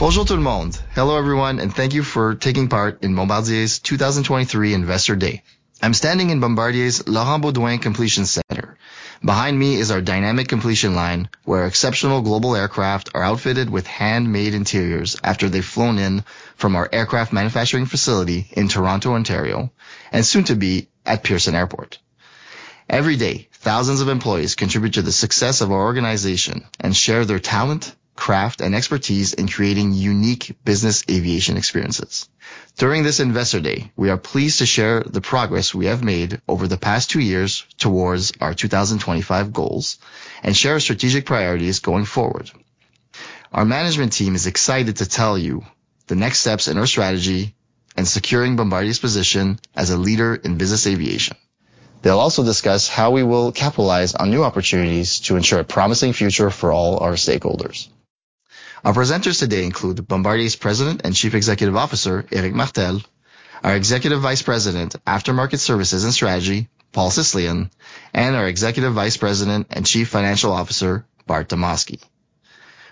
Bonjour tout le monde. Hello, everyone. Thank you for taking part in Bombardier's 2023 Investor Day. I'm standing in Bombardier's Laurent Beaudoin Completion Center. Behind me is our dynamic completion line where exceptional Global aircraft are outfitted with handmade interiors after they've flown in from our aircraft manufacturing facility in Toronto, Ontario, and soon to be at Pearson Airport. Every day, thousands of employees contribute to the success of our organization and share their talent, craft, and expertise in creating unique business aviation experiences. During this Investor Day, we are pleased to share the progress we have made over the past two years towards our 2025 goals and share our strategic priorities going forward. Our management team is excited to tell you the next steps in our strategy in securing Bombardier's position as a leader in business aviation. They'll also discuss how we will capitalize on new opportunities to ensure a promising future for all our stakeholders. Our presenters today include Bombardier's President and Chief Executive Officer, Éric Martel, our Executive Vice President, Aftermarket Services and Strategy, Paul Sislian, and our Executive Vice President and Chief Financial Officer, Bart Demosky.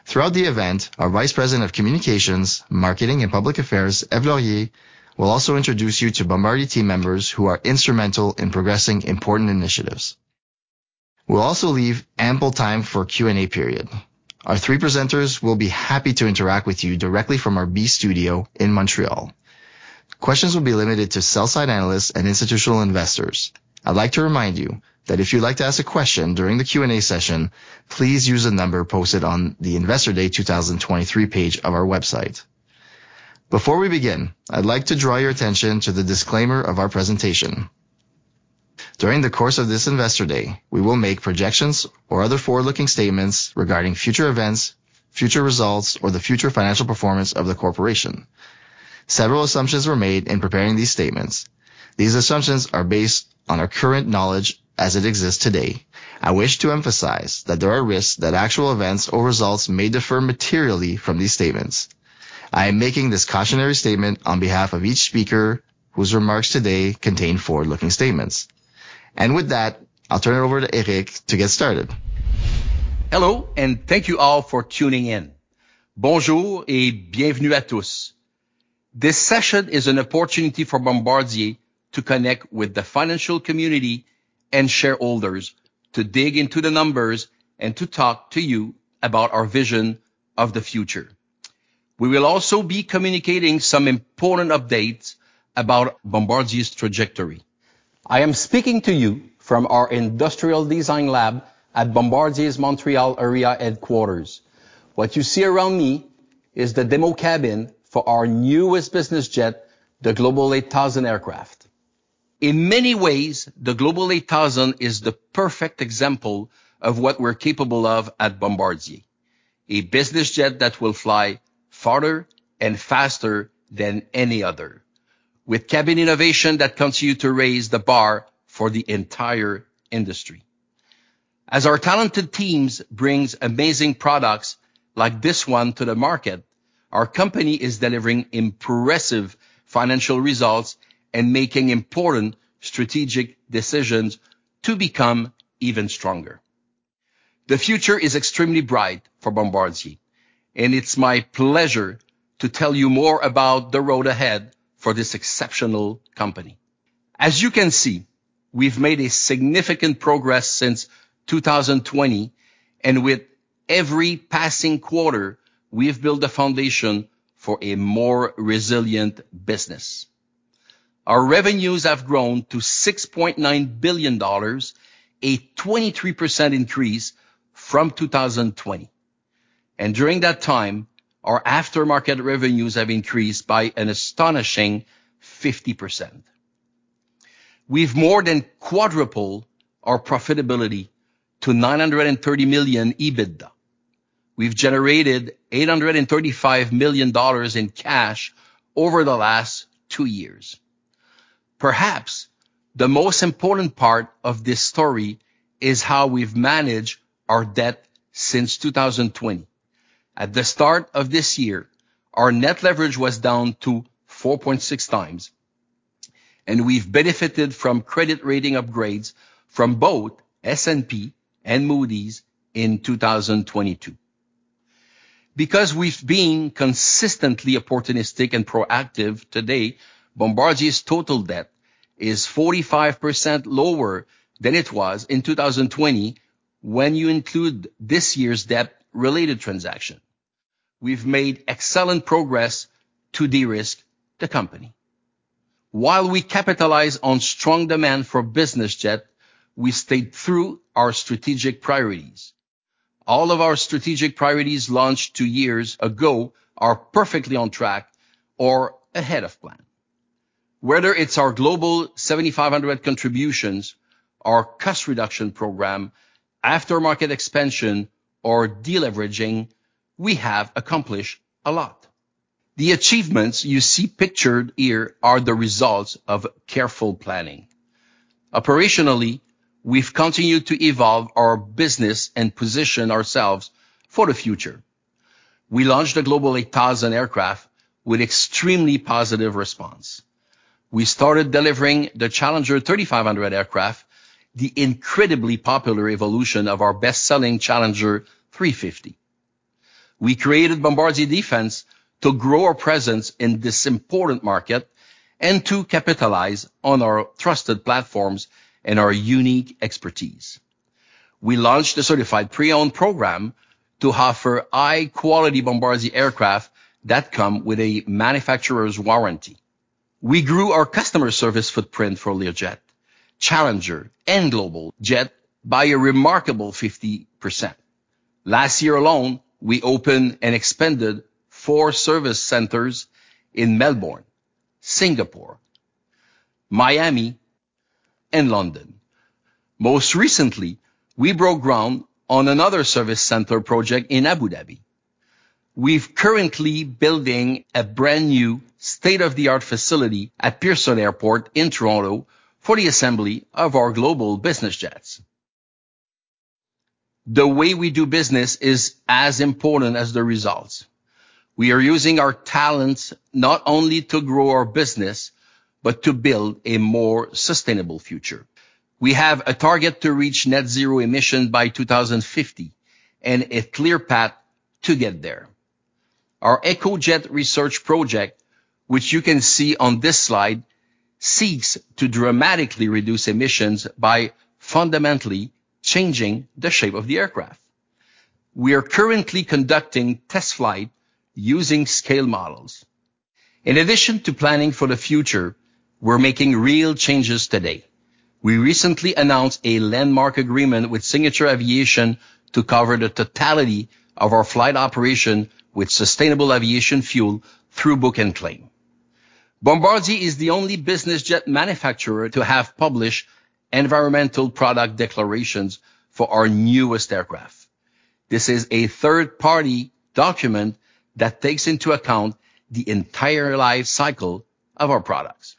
Throughout the event, our Vice President of Communications, Marketing and Public Affairs, Ève Laurier, will also introduce you to Bombardier team members who are instrumental in progressing important initiatives. We'll also leave ample time for Q&A period. Our three presenters will be happy to interact with you directly from our B studio in Montreal. Questions will be limited to sell-side analysts and institutional investors. I'd like to remind you that if you'd like to ask a question during the Q&A session, please use the number posted on the Investor Day 2023 page of our website. Before we begin, I'd like to draw your attention to the disclaimer of our presentation. During the course of this Investor Day, we will make projections or other forward-looking statements regarding future events, future results, or the future financial performance of the corporation. Several assumptions were made in preparing these statements. These assumptions are based on our current knowledge as it exists today. I wish to emphasize that there are risks that actual events or results may differ materially from these statements. I am making this cautionary statement on behalf of each speaker whose remarks today contain forward-looking statements. With that, I'll turn it over to Éric to get started. Hello, and thank you all for tuning in. Bonjour et bienvenue à tous. This session is an opportunity for Bombardier to connect with the financial community and shareholders to dig into the numbers and to talk to you about our vision of the future. We will also be communicating some important updates about Bombardier's trajectory. I am speaking to you from our industrial design lab at Bombardier's Montreal area headquarters. What you see around me is the demo cabin for our newest business jet, the Global 8000 aircraft. In many ways, the Global 8000 is the perfect example of what we're capable of at Bombardier. A business jet that will fly farther and faster than any other, with cabin innovation that continues to raise the bar for the entire industry. As our talented teams bring amazing products like this one to the market, our company is delivering impressive financial results and making important strategic decisions to become even stronger. The future is extremely bright for Bombardier, it's my pleasure to tell you more about the road ahead for this exceptional company. As you can see, we've made a significant progress since 2020, with every passing quarter, we have built a foundation for a more resilient business. Our revenues have grown to $6.9 billion, a 23% increase from 2020. During that time, our aftermarket revenues have increased by an astonishing 50%. We've more than quadrupled our profitability to $930 million EBITDA. We've generated $835 million in cash over the last two years. Perhaps the most important part of this story is how we've managed our debt since 2020. At the start of this year, our net leverage was down to 4.6x. We've benefited from credit rating upgrades from both S&P and Moody's in 2022. Because we've been consistently opportunistic and proactive, today, Bombardier's total debt is 45% lower than it was in 2020 when you include this year's debt-related transaction. We've made excellent progress to de-risk the company. While we capitalize on strong demand for business jet, we stayed through our strategic priorities. All of our strategic priorities launched two years ago are perfectly on track or ahead of plan. Whether it's our Global 7500 contributions, our cost reduction program, aftermarket expansion, or deleveraging, we have accomplished a lot. The achievements you see pictured here are the results of careful planning. Operationally, we've continued to evolve our business and position ourselves for the future. We launched the Global 8000 aircraft with extremely positive response. We started delivering the Challenger 3500 aircraft, the incredibly popular evolution of our best-selling Challenger 350. We created Bombardier Defense to grow our presence in this important market and to capitalize on our trusted platforms and our unique expertise. We launched a certified pre-owned program to offer high-quality Bombardier aircraft that come with a manufacturer's warranty. We grew our customer service footprint for Learjet, Challenger, and Global Jet by a remarkable 50%. Last year alone, we opened and expanded four service centers in Melbourne, Singapore, Miami, and London. Most recently, we broke ground on another service center project in Abu Dhabi. We're currently building a brand new state-of-the-art facility at Pearson Airport in Toronto for the assembly of our Global business jets. The way we do business is as important as the results. We are using our talents not only to grow our business, but to build a more sustainable future. We have a target to reach net zero emissions by 2050, a clear path to get there. Our EcoJet research project, which you can see on this slide, seeks to dramatically reduce emissions by fundamentally changing the shape of the aircraft. We are currently conducting test flights using scale models. In addition to planning for the future, we're making real changes today. We recently announced a landmark agreement with Signature Aviation to cover the totality of our flight operation with sustainable aviation fuel through book and claim. Bombardier is the only business jet manufacturer to have published environmental product declarations for our newest aircraft. This is a third-party document that takes into account the entire life cycle of our products.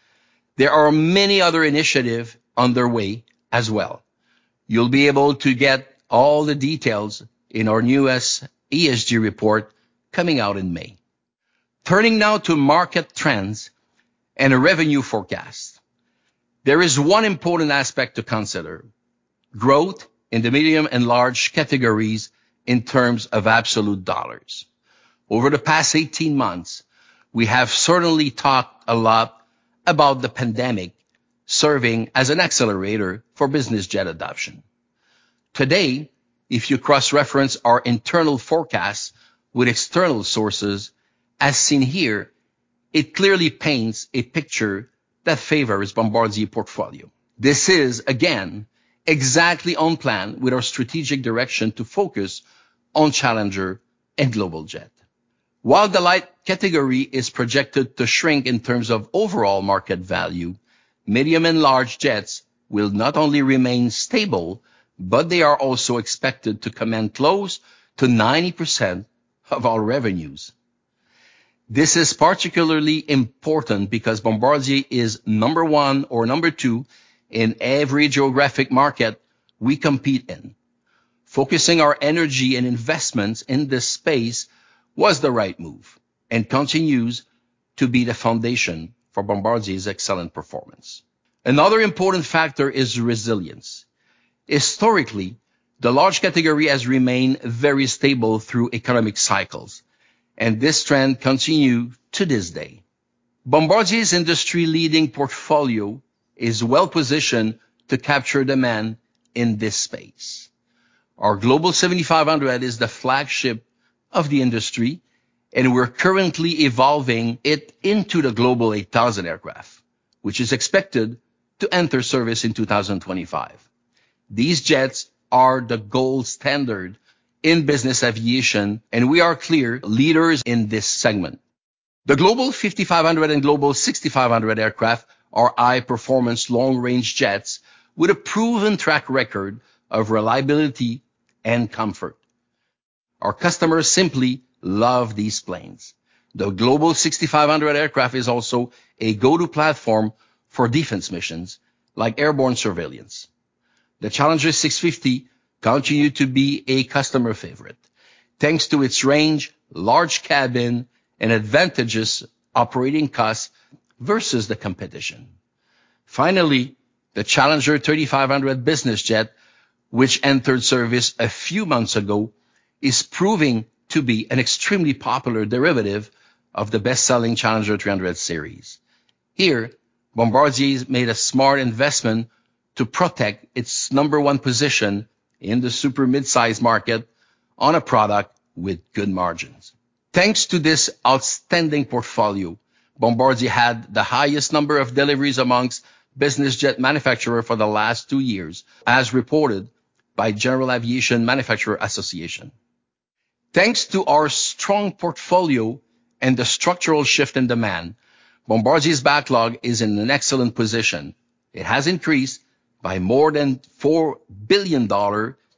There are many other initiatives on their way as well. You'll be able to get all the details in our newest ESG report coming out in May. Turning now to market trends and a revenue forecast. There is one important aspect to consider, growth in the medium and large categories in terms of absolute dollars. Over the past 18 months, we have certainly talked a lot about the pandemic serving as an accelerator for business jet adoption. Today, if you cross-reference our internal forecasts with external sources, as seen here, it clearly paints a picture that favors Bombardier portfolio. This is, again, exactly on plan with our strategic direction to focus on Challenger and Global Jet. While the light category is projected to shrink in terms of overall market value, medium and large jets will not only remain stable, but they are also expected to command close to 90% of our revenues. This is particularly important because Bombardier is number one or number two in every geographic market we compete in. Focusing our energy and investments in this space was the right move and continues to be the foundation for Bombardier's excellent performance. Another important factor is resilience. Historically, the large category has remained very stable through economic cycles, and this trend continues to this day. Bombardier's industry-leading portfolio is well-positioned to capture demand in this space. Our Global 7500 is the flagship of the industry, and we're currently evolving it into the Global 8000 aircraft, which is expected to enter service in 2025. These jets are the gold standard in business aviation, and we are clear leaders in this segment. The Global 5500 and Global 6500 aircraft are high-performance long-range jets with a proven track record of reliability and comfort. Our customers simply love these planes. The Global 6500 aircraft is also a go-to platform for defense missions like airborne surveillance. The Challenger 650 continue to be a customer favorite thanks to its range, large cabin, and advantages operating costs versus the competition. Finally, the Challenger 3500 business jet, which entered service a few months ago, is proving to be an extremely popular derivative of the best-selling Challenger 300 series. Here, Bombardier's made a smart investment to protect its number one position in the super-midsize market on a product with good margins. Thanks to this outstanding portfolio, Bombardier had the highest number of deliveries amongst business jet manufacturer for the last two years, as reported by General Aviation Manufacturers Association. Thanks to our strong portfolio and the structural shift in demand, Bombardier's backlog is in an excellent position. It has increased by more than $4 billion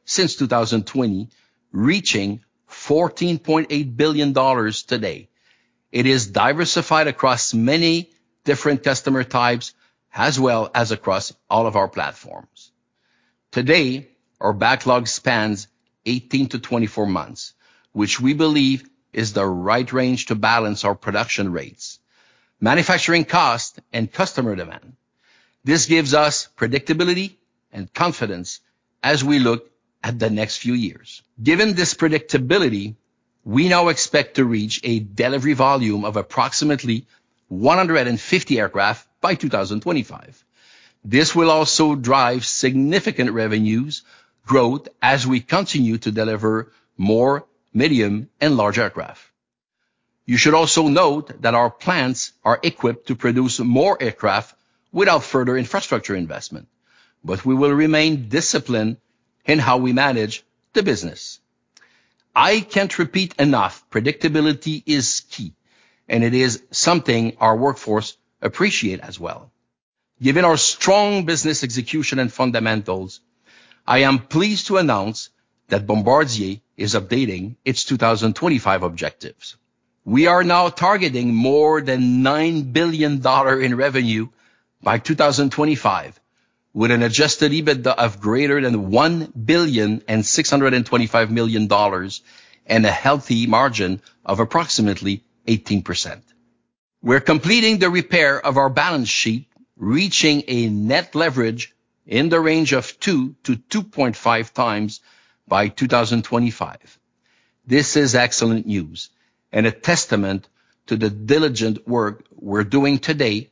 since 2020, reaching $14.8 billion today. It is diversified across many different customer types as well as across all of our platforms. Today, our backlog spans 18-24 months, which we believe is the right range to balance our production rates, manufacturing costs, and customer demand. This gives us predictability and confidence as we look at the next few years. Given this predictability, we now expect to reach a delivery volume of approximately 150 aircraft by 2025. This will also drive significant revenue growth as we continue to deliver more medium and large aircraft. You should also note that our plants are equipped to produce more aircraft without further infrastructure investment, but we will remain disciplined in how we manage the business. I can't repeat enough, predictability is key, and it is something our workforce appreciate as well. Given our strong business execution and fundamentals, I am pleased to announce that Bombardier is updating its 2025 objectives. We are now targeting more than $9 billion in revenue by 2025, with an Adjusted EBITDA of greater than $1.625 billion and a healthy margin of approximately 18%. We're completing the repair of our balance sheet, reaching a net leverage in the range of 2x to 2.5x by 2025. This is excellent news and a testament to the diligent work we're doing today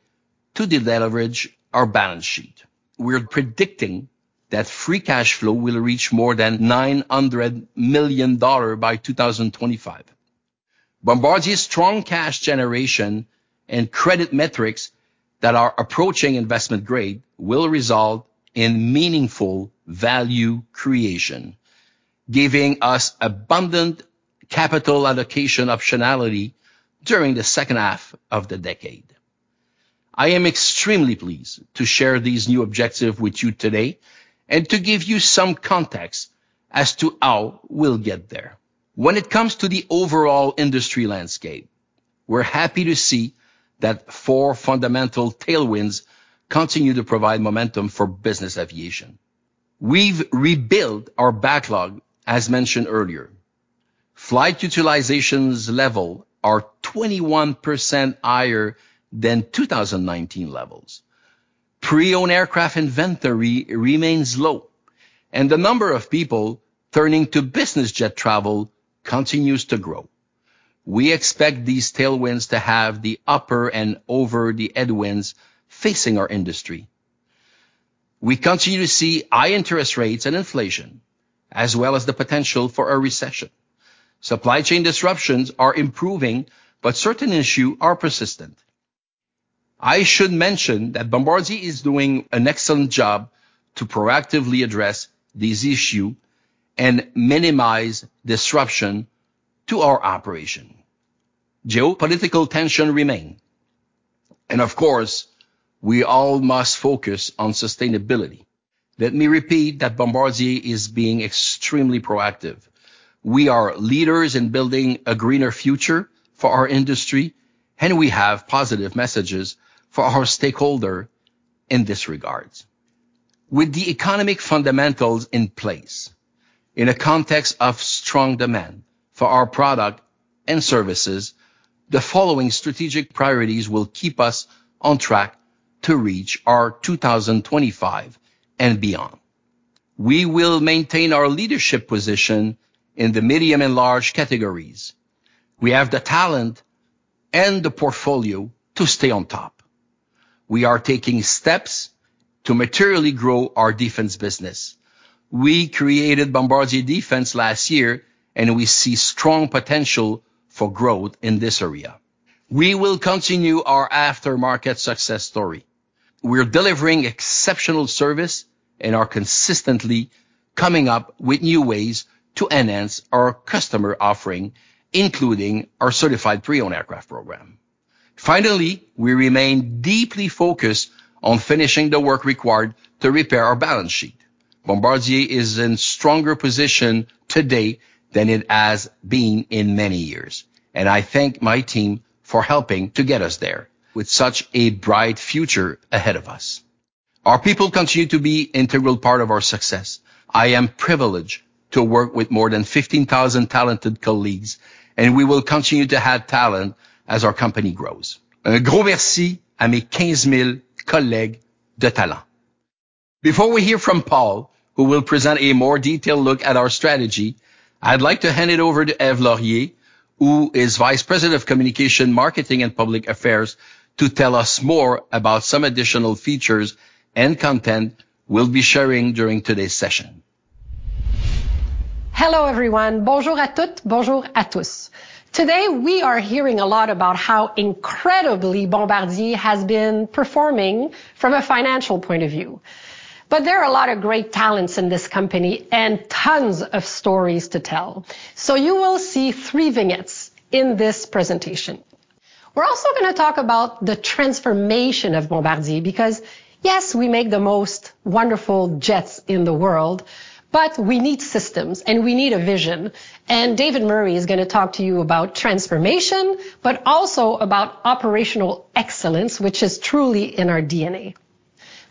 to deleverage our balance sheet. We're predicting that free cash flow will reach more than $900 million by 2025. Bombardier's strong cash generation and credit metrics that are approaching investment grade will result in meaningful value creation, giving us abundant capital allocation optionality during the second half of the decade. I am extremely pleased to share these new objective with you today and to give you some context as to how we'll get there. When it comes to the overall industry landscape, we're happy to see that four fundamental tailwinds continue to provide momentum for business aviation. We've rebuilt our backlog, as mentioned earlier. Flight utilizations level are 21% higher than 2019 levels. Pre-owned aircraft inventory remains low, the number of people turning to business jet travel continues to grow. We expect these tailwinds to have the upper and over the headwinds facing our industry. We continue to see high interest rates and inflation, as well as the potential for a recession. Supply chain disruptions are improving, certain issue are persistent. I should mention that Bombardier is doing an excellent job to proactively address this issue and minimize disruption to our operation. Geopolitical tension remain, of course, we all must focus on sustainability. Let me repeat that Bombardier is being extremely proactive. We are leaders in building a greener future for our industry, we have positive messages for our stakeholder in this regards. With the economic fundamentals in place in a context of strong demand for our product and services, the following strategic priorities will keep us on track to reach our 2025 and beyond. We will maintain our leadership position in the medium and large categories. We have the talent and the portfolio to stay on top. We are taking steps to materially grow our defense business. We created Bombardier Defense last year. We see strong potential for growth in this area. We will continue our aftermarket success story. We're delivering exceptional service and are consistently coming up with new ways to enhance our customer offering, including our certified pre-owned aircraft program. Finally, we remain deeply focused on finishing the work required to repair our balance sheet. Bombardier is in stronger position today than it has been in many years. I thank my team for helping to get us there with such a bright future ahead of us. Our people continue to be integral part of our success. I am privileged to work with more than 15,000 talented colleagues. We will continue to have talent as our company grows. Before we hear from Paul, who will present a more detail look at our strategy, I'd like to hand it over to Ève Laurier, who is the Vice President of Communications, Marketing, and Public Affairs to tell us more about some additional features and content we'll be sharing during today's session. Hello, everyone. Today, we are hearing a lot about how incredibly Bombardier has been performing from a financial point of view. There are a lot of great talents in this company and tons of stories to tell. You will see three vignettes in this presentation. We're also gonna talk about the transformation of Bombardier because, yes, we make the most wonderful jets in the world. We need systems, and we need a vision. David Murray is gonna talk to you about transformation, but also about operational excellence, which is truly in our DNA.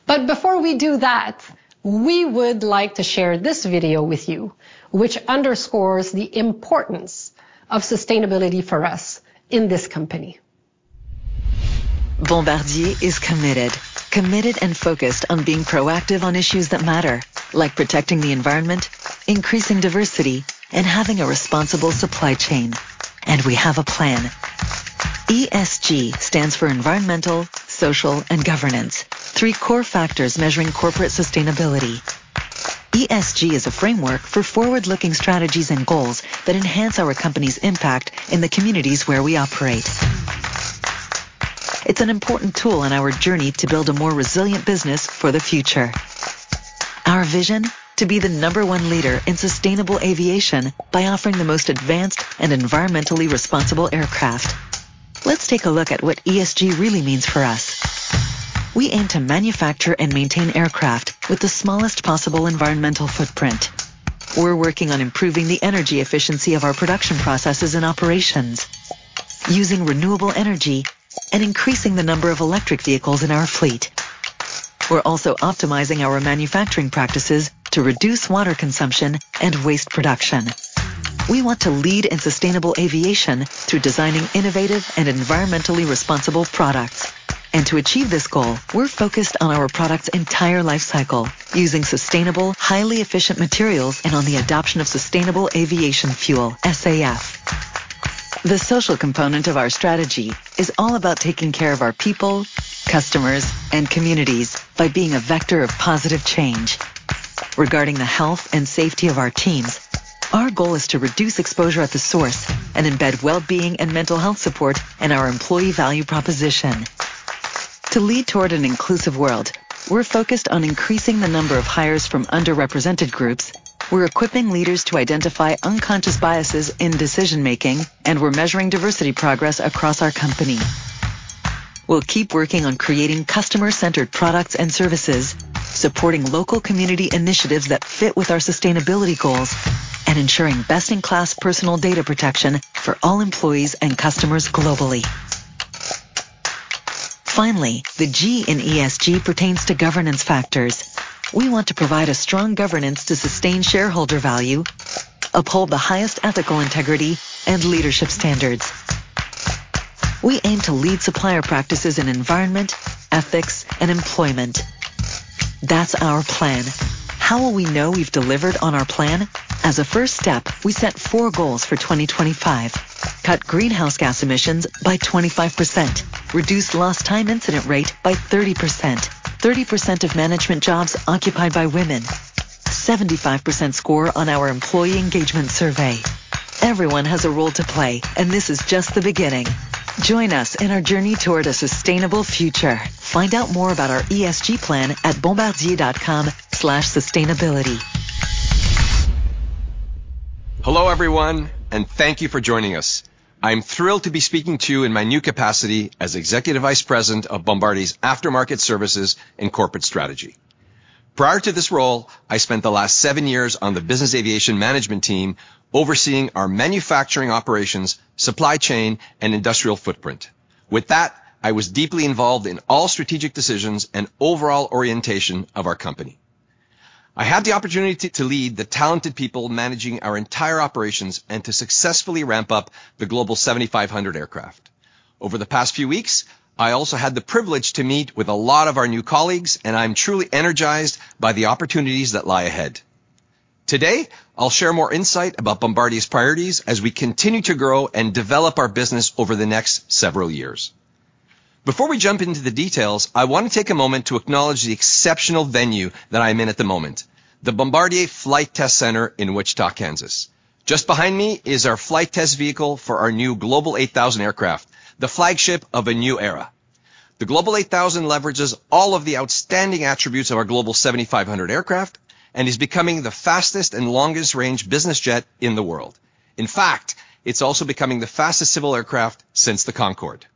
Before we do that, we would like to share this video with you, which underscores the importance of sustainability for us in this company. Bombardier is committed and focused on being proactive on issues that matter, like protecting the environment, increasing diversity, and having a responsible supply chain. We have a plan. ESG stands for environmental, social, and governance, three core factors measuring corporate sustainability. ESG is a framework for forward-looking strategies and goals that enhance our company's impact in the communities where we operate. It's an important tool in our journey to build a more resilient business for the future. Our vision, to be the number one leader in sustainable aviation by offering the most advanced and environmentally responsible aircraft. Let's take a look at what ESG really means for us. We aim to manufacture and maintain aircraft with the smallest possible environmental footprint. We're working on improving the energy efficiency of our production processes and operations, using renewable energy and increasing the number of electric vehicles in our fleet. We're also optimizing our manufacturing practices to reduce water consumption and waste production. We want to lead in sustainable aviation through designing innovative and environmentally responsible products. To achieve this goal, we're focused on our product's entire life cycle using sustainable, highly efficient materials and on the adoption of sustainable aviation fuel, SAF. The social component of our strategy is all about taking care of our people, customers, and communities by being a vector of positive change. Regarding the health and safety of our teams, our goal is to reduce exposure at the source and embed wellbeing and mental health support in our employee value proposition. To lead toward an inclusive world, we're focused on increasing the number of hires from underrepresented groups, we're equipping leaders to identify unconscious biases in decision-making, and we're measuring diversity progress across our company. We'll keep working on creating customer-centered products and services, supporting local community initiatives that fit with our sustainability goals, and ensuring best-in-class personal data protection for all employees and customers globally. Finally, the G in ESG pertains to governance factors. We want to provide a strong governance to sustain shareholder value, uphold the highest ethical integrity and leadership standards. We aim to lead supplier practices in environment, ethics, and employment. That's our plan. How will we know we've delivered on our plan? As a first step, we set four goals for 2025: cut greenhouse gas emissions by 25%, reduce lost time incident rate by 30%, 30% of management jobs occupied by women, 75% score on our employee engagement survey. Everyone has a role to play, this is just the beginning. Join us in our journey toward a sustainable future. Find out more about our ESG plan at bombardier.com/sustainability. Hello, everyone, and thank you for joining us. I'm thrilled to be speaking to you in my new capacity as Executive Vice President of Bombardier's Aftermarket Services and Corporate Strategy. Prior to this role, I spent the last seven years on the business aviation management team overseeing our manufacturing operations, supply chain, and industrial footprint. With that, I was deeply involved in all strategic decisions and overall orientation of our company. I had the opportunity to lead the talented people managing our entire operations and to successfully ramp up the Global 7500 aircraft. Over the past few weeks, I also had the privilege to meet with a lot of our new colleagues, and I'm truly energized by the opportunities that lie ahead. Today, I'll share more insight about Bombardier's priorities as we continue to grow and develop our business over the next several years. Before we jump into the details, I want to take a moment to acknowledge the exceptional venue that I'm in at the moment, the Bombardier Flight Test Center in Wichita, Kansas. Just behind me is our flight test vehicle for our new Global 8000 aircraft, the flagship of a new era. The Global 8000 leverages all of the outstanding attributes of our Global 7500 aircraft and is becoming the fastest and longest range business jet in the world. In fact, it's also becoming the fastest civil aircraft since the Concorde.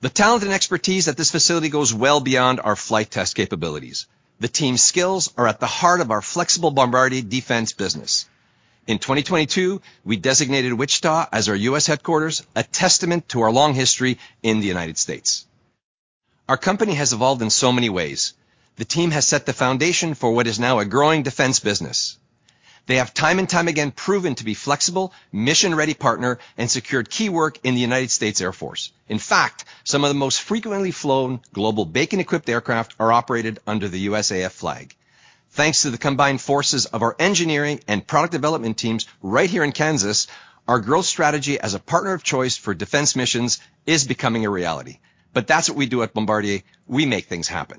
The talent and expertise at this facility goes well beyond our flight test capabilities. The team's skills are at the heart of our flexible Bombardier Defense business. In 2022, we designated Wichita as our U.S. headquarters, a testament to our long history in the United States. Our company has evolved in so many ways. The team has set the foundation for what is now a growing defense business. They have time and time again proven to be flexible, mission-ready partner and secured key work in the United States Air Force. In fact, some of the most frequently flown Global BACN-equipped aircraft are operated under the USAF flag. Thanks to the combined forces of our engineering and product development teams right here in Kansas, our growth strategy as a partner of choice for defense missions is becoming a reality. That's what we do at Bombardier: we make things happen.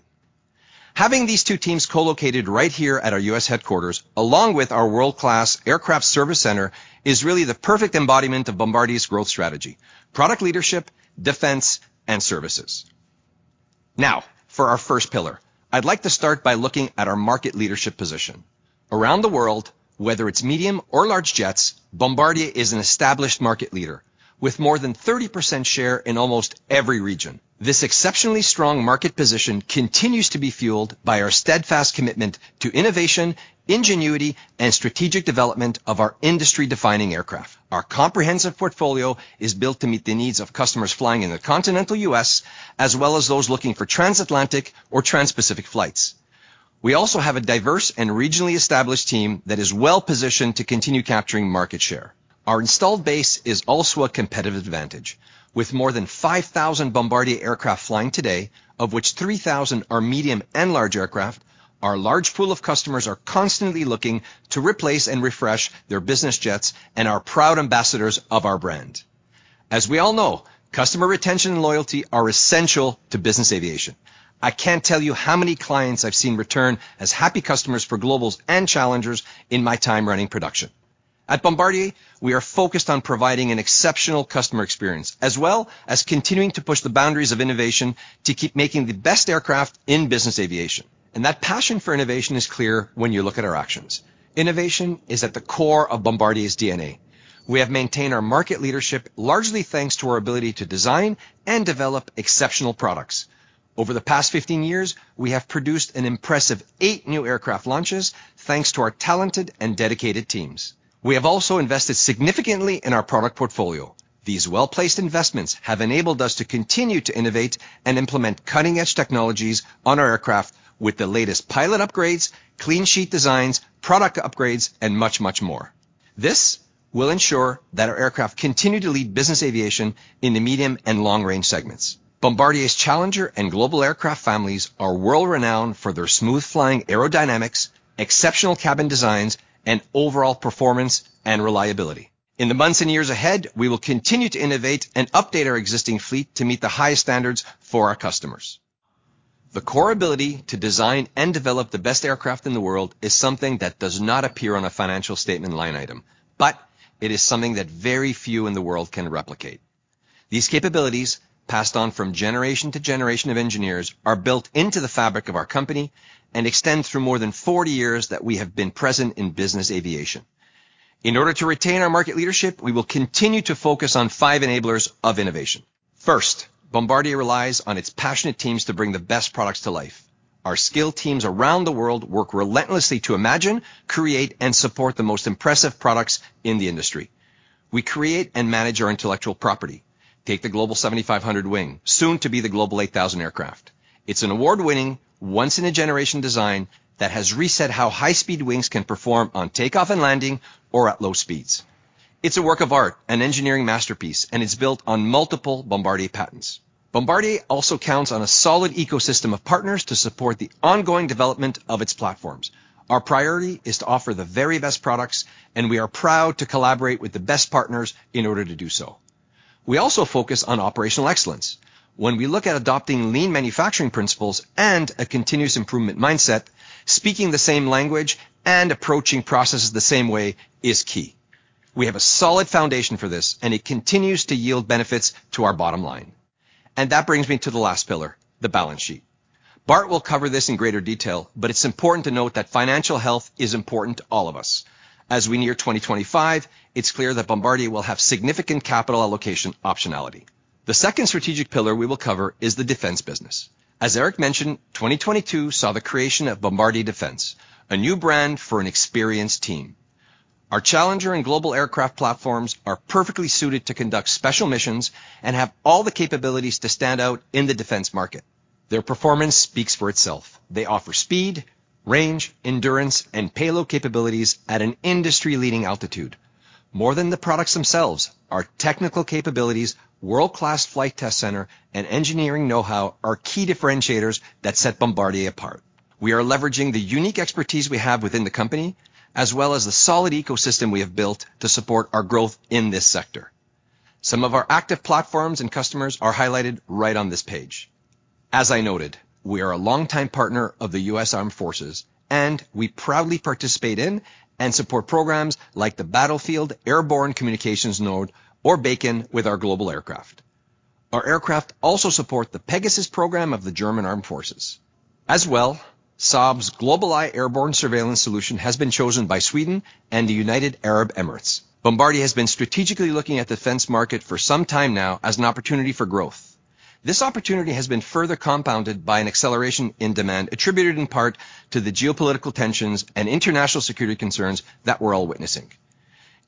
Having these two teams co-located right here at our U.S. headquarters, along with our world-class aircraft service center, is really the perfect embodiment of Bombardier's growth strategy, product leadership, defense, and services. For our first pillar, I'd like to start by looking at our market leadership position. Around the world, whether it's medium or large jets, Bombardier is an established market leader. With more than 30% share in almost every region. This exceptionally strong market position continues to be fueled by our steadfast commitment to innovation, ingenuity, and strategic development of our industry-defining aircraft. Our comprehensive portfolio is built to meet the needs of customers flying in the continental U.S., as well as those looking for transatlantic or transpacific flights. We also have a diverse and regionally established team that is well-positioned to continue capturing market share. Our installed base is also a competitive advantage. With more than 5,000 Bombardier aircraft flying today, of which 3,000 are medium and large aircraft, our large pool of customers are constantly looking to replace and refresh their business jets and are proud ambassadors of our brand. As we all know, customer retention and loyalty are essential to business aviation. I can't tell you how many clients I've seen return as happy customers for Globals and Challengers in my time running production. At Bombardier, we are focused on providing an exceptional customer experience, as well as continuing to push the boundaries of innovation to keep making the best aircraft in business aviation. That passion for innovation is clear when you look at our actions. Innovation is at the core of Bombardier's DNA. We have maintained our market leadership largely thanks to our ability to design and develop exceptional products. Over the past 15 years, we have produced an impressive eight new aircraft launches thanks to our talented and dedicated teams. We have also invested significantly in our product portfolio. These well-placed investments have enabled us to continue to innovate and implement cutting-edge technologies on our aircraft with the latest pilot upgrades, clean sheet designs, product upgrades and much, much more. This will ensure that our aircraft continue to lead business aviation in the medium and long range segments. Bombardier's Challenger and Global aircraft families are world-renowned for their smooth flying aerodynamics, exceptional cabin designs, and overall performance and reliability. In the months and years ahead, we will continue to innovate and update our existing fleet to meet the high standards for our customers. The core ability to design and develop the best aircraft in the world is something that does not appear on a financial statement line item, but it is something that very few in the world can replicate. These capabilities, passed on from generation to generation of engineers, are built into the fabric of our company and extend through more than 40 years that we have been present in business aviation. In order to retain our market leadership, we will continue to focus on five enablers of innovation. First, Bombardier relies on its passionate teams to bring the best products to life. Our skilled teams around the world work relentlessly to imagine, create, and support the most impressive products in the industry. We create and manage our intellectual property. Take the Global 7500 wing, soon to be the Global 8000 aircraft. It's an award-winning, once-in-a-generation design that has reset how high speed wings can perform on takeoff and landing or at low speeds. It's a work of art, an engineering masterpiece, and it's built on multiple Bombardier patents. Bombardier also counts on a solid ecosystem of partners to support the ongoing development of its platforms. Our priority is to offer the very best products, and we are proud to collaborate with the best partners in order to do so. We also focus on operational excellence. When we look at adopting lean manufacturing principles and a continuous improvement mindset, speaking the same language and approaching processes the same way is key. We have a solid foundation for this, and it continues to yield benefits to our bottom line. That brings me to the last pillar, the balance sheet. Bart will cover this in greater detail, but it's important to note that financial health is important to all of us. As we near 2025, it's clear that Bombardier will have significant capital allocation optionality. The second strategic pillar we will cover is the defense business. As Éric mentioned, 2022 saw the creation of Bombardier Defense, a new brand for an experienced team. Our Challenger and Global aircraft platforms are perfectly suited to conduct special missions and have all the capabilities to stand out in the defense market. Their performance speaks for itself. They offer speed, range, endurance, and payload capabilities at an industry-leading altitude. More than the products themselves, our technical capabilities, world-class flight test center, and engineering know-how are key differentiators that set Bombardier apart. We are leveraging the unique expertise we have within the company, as well as the solid ecosystem we have built to support our growth in this sector. Some of our active platforms and customers are highlighted right on this page. As I noted, we are a long-time partner of the US Armed Forces, and we proudly participate in and support programs like the Battlefield Airborne Communications Node or BACN with our Global aircraft. Our aircraft also support the PEGASUS program of the German Armed Forces. As well, Saab's GlobalEye airborne surveillance solution has been chosen by Sweden and the United Arab Emirates. Bombardier has been strategically looking at defense market for some time now as an opportunity for growth. This opportunity has been further compounded by an acceleration in demand attributed in part to the geopolitical tensions and international security concerns that we're all witnessing.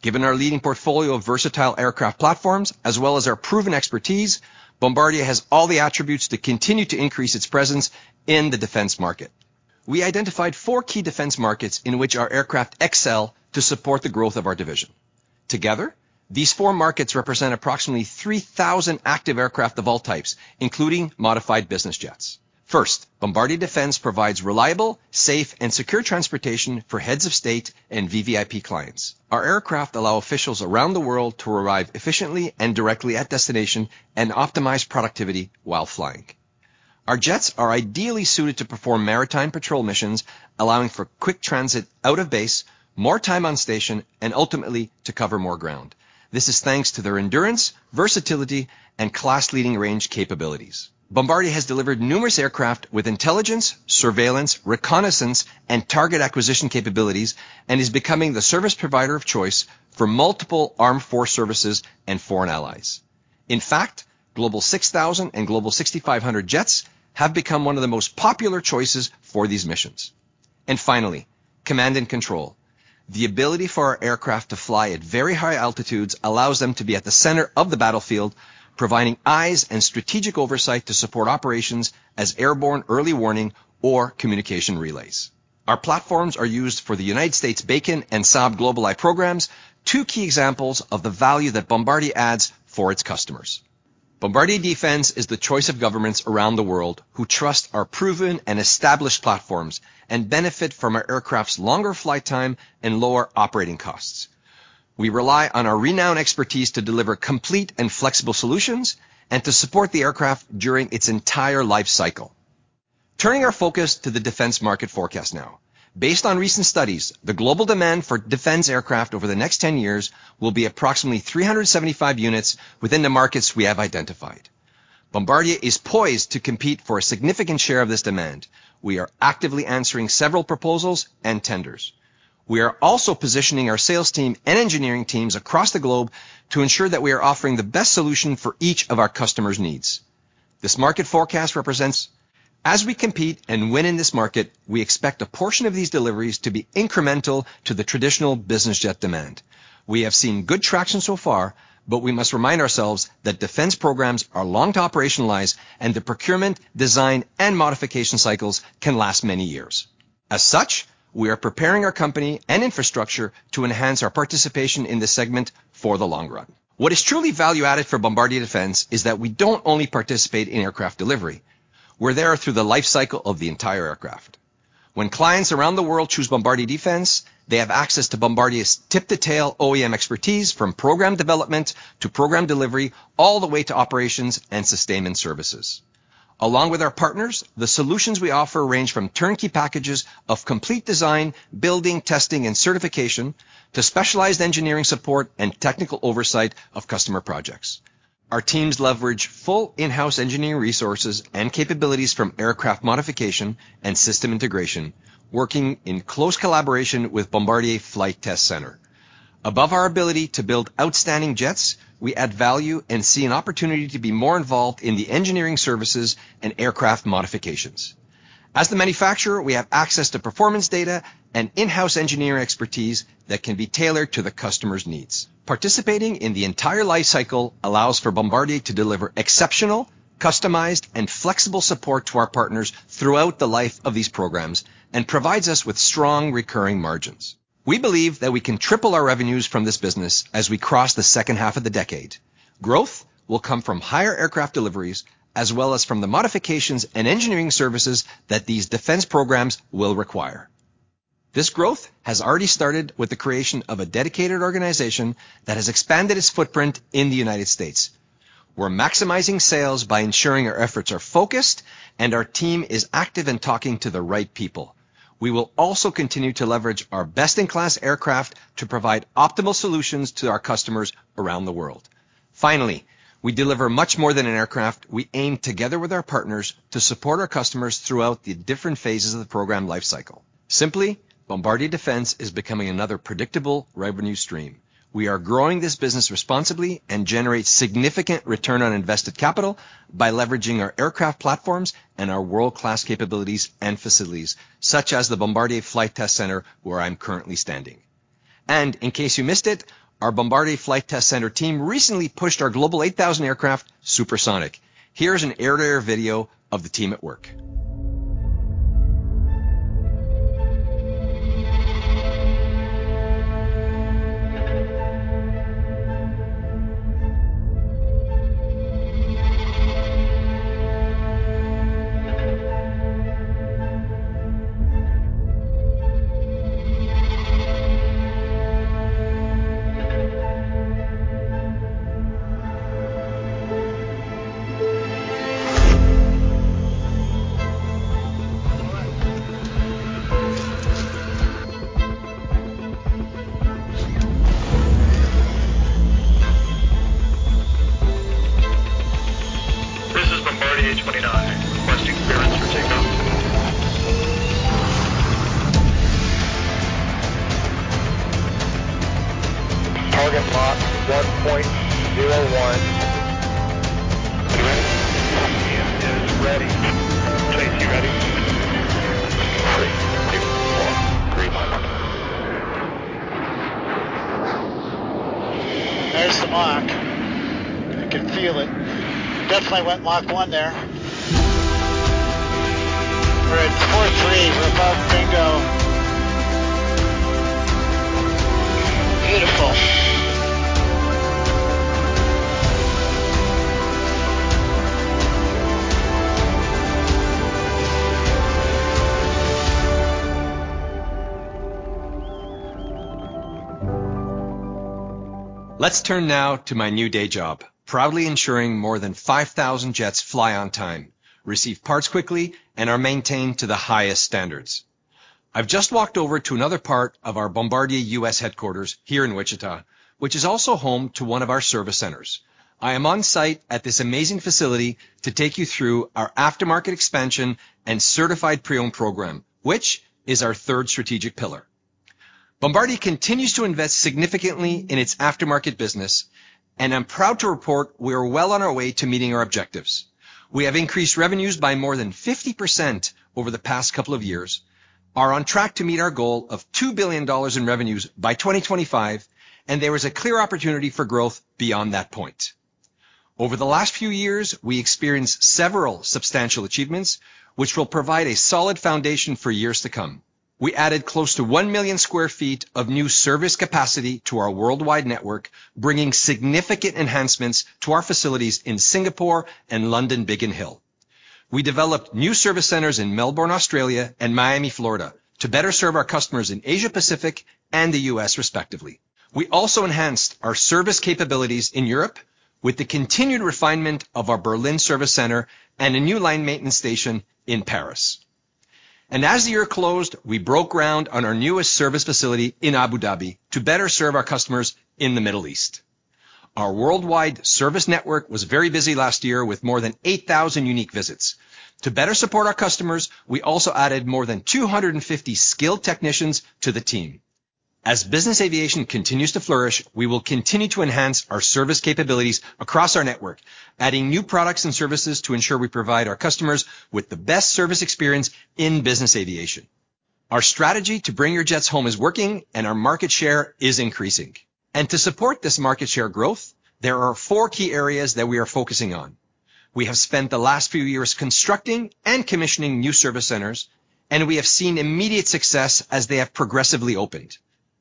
Given our leading portfolio of versatile aircraft platforms as well as our proven expertise, Bombardier has all the attributes to continue to increase its presence in the defense market. We identified four key defense markets in which our aircraft excel to support the growth of our division. Together, these four markets represent approximately 3,000 active aircraft of all types, including modified business jets. First, Bombardier Defense provides reliable, safe, and secure transportation for heads of state and VVIP clients. Our aircraft allow officials around the world to arrive efficiently and directly at destination and optimize productivity while flying. Our jets are ideally suited to perform maritime patrol missions, allowing for quick transit out of base, more time on station, and ultimately to cover more ground. This is thanks to their endurance, versatility, and class-leading range capabilities. Bombardier has delivered numerous aircraft with intelligence, surveillance, reconnaissance, and target acquisition capabilities and is becoming the service provider of choice for multiple armed force services and foreign allies. In fact, Global 6000 and Global 6500 jets have become one of the most popular choices for these missions. Finally, command and control. The ability for our aircraft to fly at very high altitudes allows them to be at the center of the battlefield, providing eyes and strategic oversight to support operations as airborne early warning or communication relays. Our platforms are used for the United States BACN and Saab GlobalEye programs, two key examples of the value that Bombardier adds for its customers. Bombardier Defense is the choice of governments around the world who trust our proven and established platforms and benefit from our aircraft's longer flight time and lower operating costs. We rely on our renowned expertise to deliver complete and flexible solutions and to support the aircraft during its entire life cycle. Turning our focus to the defense market forecast now. Based on recent studies, the global demand for defense aircraft over the next 10 years will be approximately 375 units within the markets we have identified. Bombardier is poised to compete for a significant share of this demand. We are actively answering several proposals and tenders. We are also positioning our sales team and engineering teams across the globe to ensure that we are offering the best solution for each of our customers' needs. This market forecast represents as we compete and win in this market, we expect a portion of these deliveries to be incremental to the traditional business jet demand. We have seen good traction so far. We must remind ourselves that defense programs are long to operationalize and the procurement, design, and modification cycles can last many years. As such, we are preparing our company and infrastructure to enhance our participation in this segment for the long run. What is truly value-added for Bombardier Defense is that we don't only participate in aircraft delivery. We're there through the life cycle of the entire aircraft. When clients around the world choose Bombardier Defense, they have access to Bombardier's tip-to-tail OEM expertise from program development to program delivery, all the way to operations and sustainment services. Along with our partners, the solutions we offer range from turnkey packages of complete design, building, testing, and certification to specialized engineering support and technical oversight of customer projects. Our teams leverage full in-house engineering resources and capabilities from aircraft modification and system integration, working in close collaboration with Bombardier Flight Test Center. Above our ability to build outstanding jets, we add value and see an opportunity to be more involved in the engineering services and aircraft modifications. As the manufacturer, we have access to performance data and in-house engineering expertise that can be tailored to the customer's needs. Participating in the entire life cycle allows for Bombardier to deliver exceptional, customized, and flexible support to our partners throughout the life of these programs and provides us with strong recurring margins. We believe that we can triple our revenues from this business as we cross the second half of the decade. Growth will come from higher aircraft deliveries as well as from the modifications and engineering services that these defense programs will require. This growth has already started with the creation of a dedicated organization that has expanded its footprint in the United States. We're maximizing sales by ensuring our efforts are focused and our team is active in talking to the right people. We will also continue to leverage our best-in-class aircraft to provide optimal solutions to our customers around the world. Finally, we deliver much more than an aircraft. We aim together with our partners to support our customers throughout the different phases of the program life cycle. Simply, Bombardier Defense is becoming another predictable revenue stream. We are growing this business responsibly and generate significant return on invested capital by leveraging our aircraft platforms and our world-class capabilities and facilities, such as the Bombardier Flight Test Center where I'm currently standing. In case you missed it, our Bombardier Flight Test Center team recently pushed our Global 8000 aircraft supersonic. Here's an air-to-air video of the team at work. This is Bombardier 29. Requesting clearance for takeoff. Target locked 1.01. You ready? It is ready. Safety ready. Three, two, one. Green light. There's the Mach. I can feel it. Definitely went Mach 1 there. We're at 43. We're above bingo. Beautiful. Let's turn now to my new day job, proudly ensuring more than 5,000 jets fly on time, receive parts quickly, and are maintained to the highest standards. I've just walked over to another part of our Bombardier U.S. headquarters here in Wichita, which is also home to one of our service centers. I am on site at this amazing facility to take you through our aftermarket expansion and certified pre-owned program, which is our third strategic pillar. Bombardier continues to invest significantly in its aftermarket business. I'm proud to report we are well on our way to meeting our objectives. We have increased revenues by more than 50% over the past couple of years, are on track to meet our goal of $2 billion in revenues by 2025. There is a clear opportunity for growth beyond that point. Over the last few years, we experienced several substantial achievements which will provide a solid foundation for years to come. We added close to 1 million sq ft of new service capacity to our worldwide network, bringing significant enhancements to our facilities in Singapore and London Biggin Hill. We developed new service centers in Melbourne, Australia and Miami, Florida to better serve our customers in Asia Pacific and the U.S. respectively. We also enhanced our service capabilities in Europe with the continued refinement of our Berlin service center and a new line maintenance station in Paris. As the year closed, we broke ground on our newest service facility in Abu Dhabi to better serve our customers in the Middle East. Our worldwide service network was very busy last year with more than 8,000 unique visits. To better support our customers, we also added more than 250 skilled technicians to the team. As business aviation continues to flourish, we will continue to enhance our service capabilities across our network, adding new products and services to ensure we provide our customers with the best service experience in business aviation. Our strategy to bring your jets home is working and our market share is increasing. To support this market share growth, there are four key areas that we are focusing on. We have spent the last few years constructing and commissioning new service centers, and we have seen immediate success as they have progressively opened.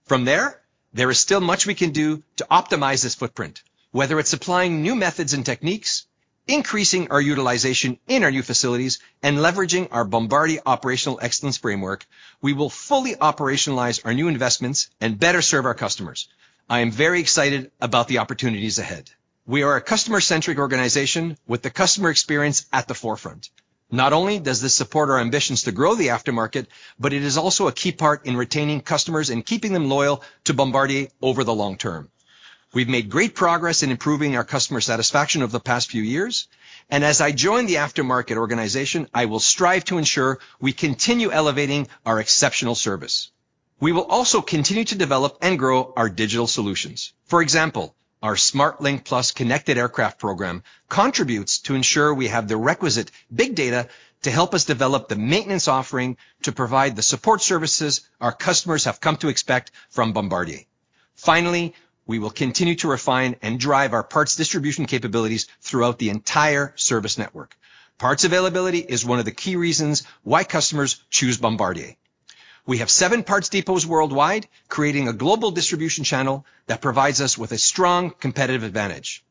From there is still much we can do to optimize this footprint. Whether it's applying new methods and techniques, increasing our utilization in our new facilities, and leveraging our Bombardier Operational Excellence framework, we will fully operationalize our new investments and better serve our customers. I am very excited about the opportunities ahead. We are a customer-centric organization with the customer experience at the forefront. Not only does this support our ambitions to grow the aftermarket, but it is also a key part in retaining customers and keeping them loyal to Bombardier over the long term. We've made great progress in improving our customer satisfaction over the past few years, and as I join the aftermarket organization, I will strive to ensure we continue elevating our exceptional service. We will also continue to develop and grow our digital solutions. For example, our SmartLink Plus connected aircraft program contributes to ensure we have the requisite big data to help us develop the maintenance offering to provide the support services our customers have come to expect from Bombardier. Finally, we will continue to refine and drive our parts distribution capabilities throughout the entire service network. Parts availability is one of the key reasons why customers choose Bombardier. We have seven parts depots worldwide, creating a global distribution channel that provides us with a strong competitive advantage.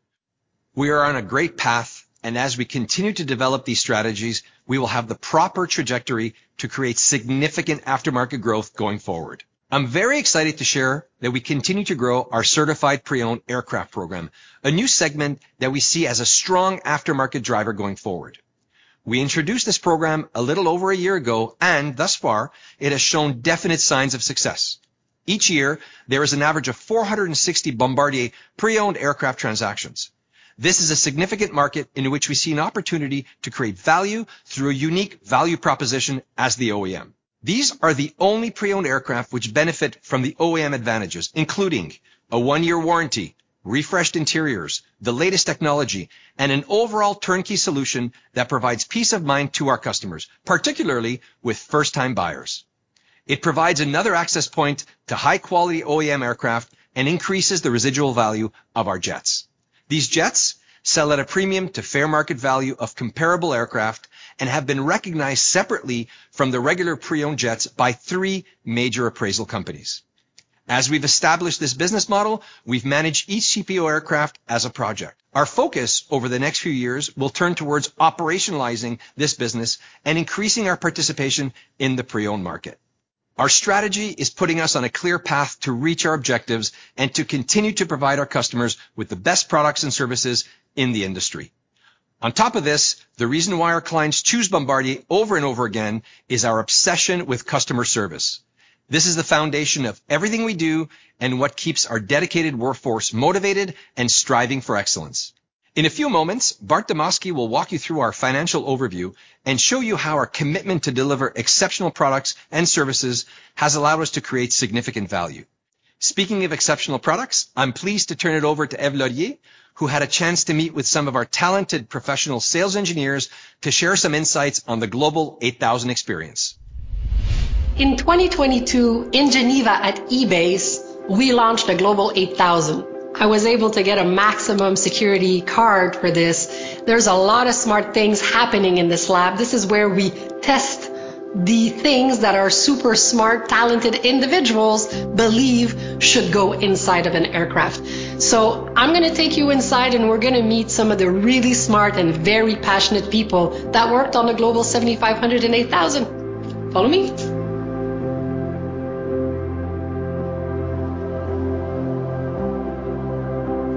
We are on a great path, and as we continue to develop these strategies, we will have the proper trajectory to create significant aftermarket growth going forward. I'm very excited to share that we continue to grow our certified pre-owned aircraft program, a new segment that we see as a strong aftermarket driver going forward. We introduced this program a little over a year ago, and thus far it has shown definite signs of success. Each year there is an average of 460 Bombardier pre-owned aircraft transactions. This is a significant market in which we see an opportunity to create value through a unique value proposition as the OEM. These are the only pre-owned aircraft which benefit from the OEM advantages, including a one-year warranty, refreshed interiors, the latest technology, and an overall turnkey solution that provides peace of mind to our customers, particularly with first-time buyers. It provides another access point to high-quality OEM aircraft and increases the residual value of our jets. These jets sell at a premium to fair market value of comparable aircraft and have been recognized separately from the regular pre-owned jets by three major appraisal companies. As we've established this business model, we've managed each CPO aircraft as a project. Our focus over the next few years will turn towards operationalizing this business and increasing our participation in the pre-owned market. Our strategy is putting us on a clear path to reach our objectives and to continue to provide our customers with the best products and services in the industry. On top of this, the reason why our clients choose Bombardier over and over again is our obsession with customer service. This is the foundation of everything we do and what keeps our dedicated workforce motivated and striving for excellence. In a few moments, Bart Demosky will walk you through our financial overview and show you how our commitment to deliver exceptional products and services has allowed us to create significant value. Speaking of exceptional products, I'm pleased to turn it over to Ève Laurier, who had a chance to meet with some of our talented professional sales engineers to share some insights on the Global 8000 experience. In 2022 in Geneva at EBACE, we launched a Global 8000. I was able to get a maximum security card for this. There's a lot of smart things happening in this lab. This is where we test the things that our super smart, talented individuals believe should go inside of an aircraft. I'm gonna take you inside, and we're gonna meet some of the really smart and very passionate people that worked on the Global 7500 and 8000. Follow me.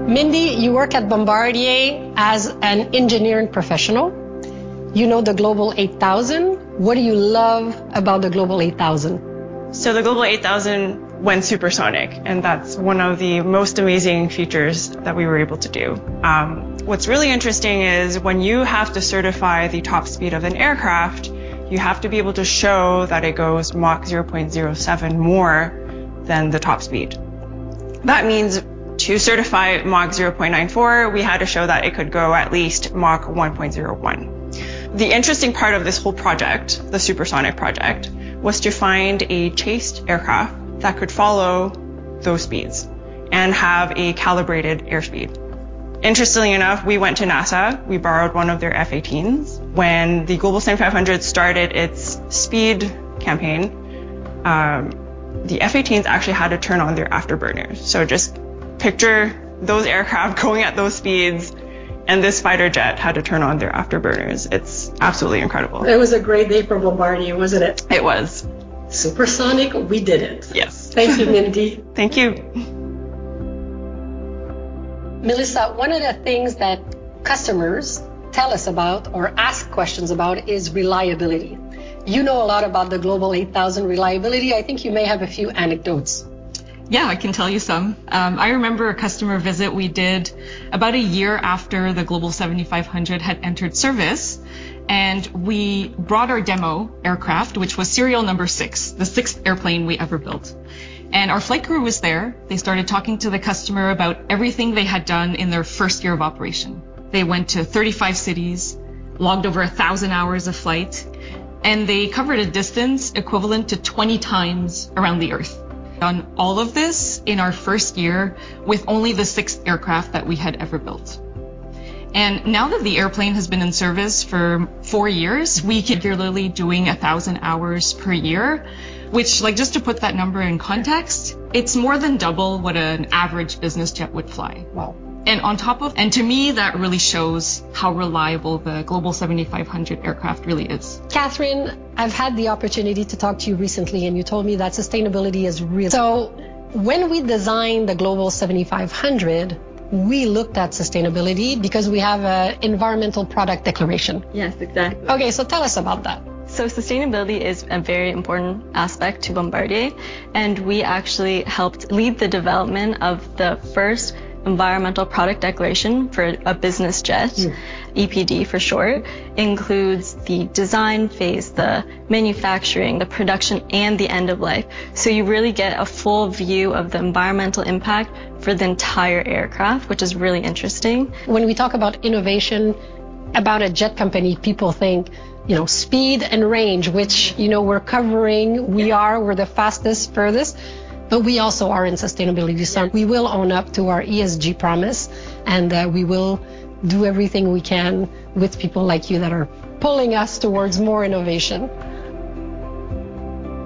Mindy, you work at Bombardier as an engineering professional. You know the Global 8000. What do you love about the Global 8000? The Global 8000 went supersonic, and that's one of the most amazing features that we were able to do. What's really interesting is when you have to certify the top speed of an aircraft, you have to be able to show that it goes Mach 0.07 more than the top speed. That means to certify Mach 0.94, we had to show that it could go at least Mach 1.01. The interesting part of this whole project, the Supersonic project, was to find a chase aircraft that could follow those speeds and have a calibrated airspeed. Interestingly enough, we went to NASA. We borrowed one of their F/A-18s. When the Global 7500 started its speed campaign, the F/A-18s actually had to turn on their afterburners. Just picture those aircraft going at those speeds, and this fighter jet had to turn on their afterburners. It's absolutely incredible. It was a great day for Bombardier, wasn't it? It was. Supersonic, we did it. Yes. Thank you, Mindy. Thank you. Melissa, one of the things that customers tell us about or ask questions about is reliability. You know a lot about the Global 8000 reliability. I think you may have a few anecdotes. Yeah, I can tell you some. I remember a customer visit we did about a year after the Global 7500 had entered service. We brought our demo aircraft, which was serial number 6, the sixth airplane we ever built. Our flight crew was there. They started talking to the customer about everything they had done in their first year of operation. They went to 35 cities, logged over 1,000 hours of flight. They covered a distance equivalent to 20x around the Earth. Done all of this in our first year with only the sixth aircraft that we had ever built. Now that the airplane has been in service for four years, we keep regularly doing 1,000 hours per year, which, like, just to put that number in context, it's more than double what an average business jet would fly. Wow. To me, that really shows how reliable the Global 7500 aircraft really is. Katherine, I've had the opportunity to talk to you recently, and you told me that sustainability is real. When we designed the Global 7500, we looked at sustainability because we have a environmental product declaration. Yes, exactly. Okay, tell us about that. Sustainability is a very important aspect to Bombardier, and we actually helped lead the development of the first environmental product declaration for a business jet. EPD for short includes the design phase, the manufacturing, the production, and the end of life. You really get a full view of the environmental impact for the entire aircraft, which is really interesting. When we talk about innovation about a jet company, people think, you know, speed and range which, you know, we're covering. Yeah. We are. We're the fastest, furthest, but we also are in sustainability. Yes. We will own up to our ESG promise, and we will do everything we can with people like you that are pulling us towards more innovation.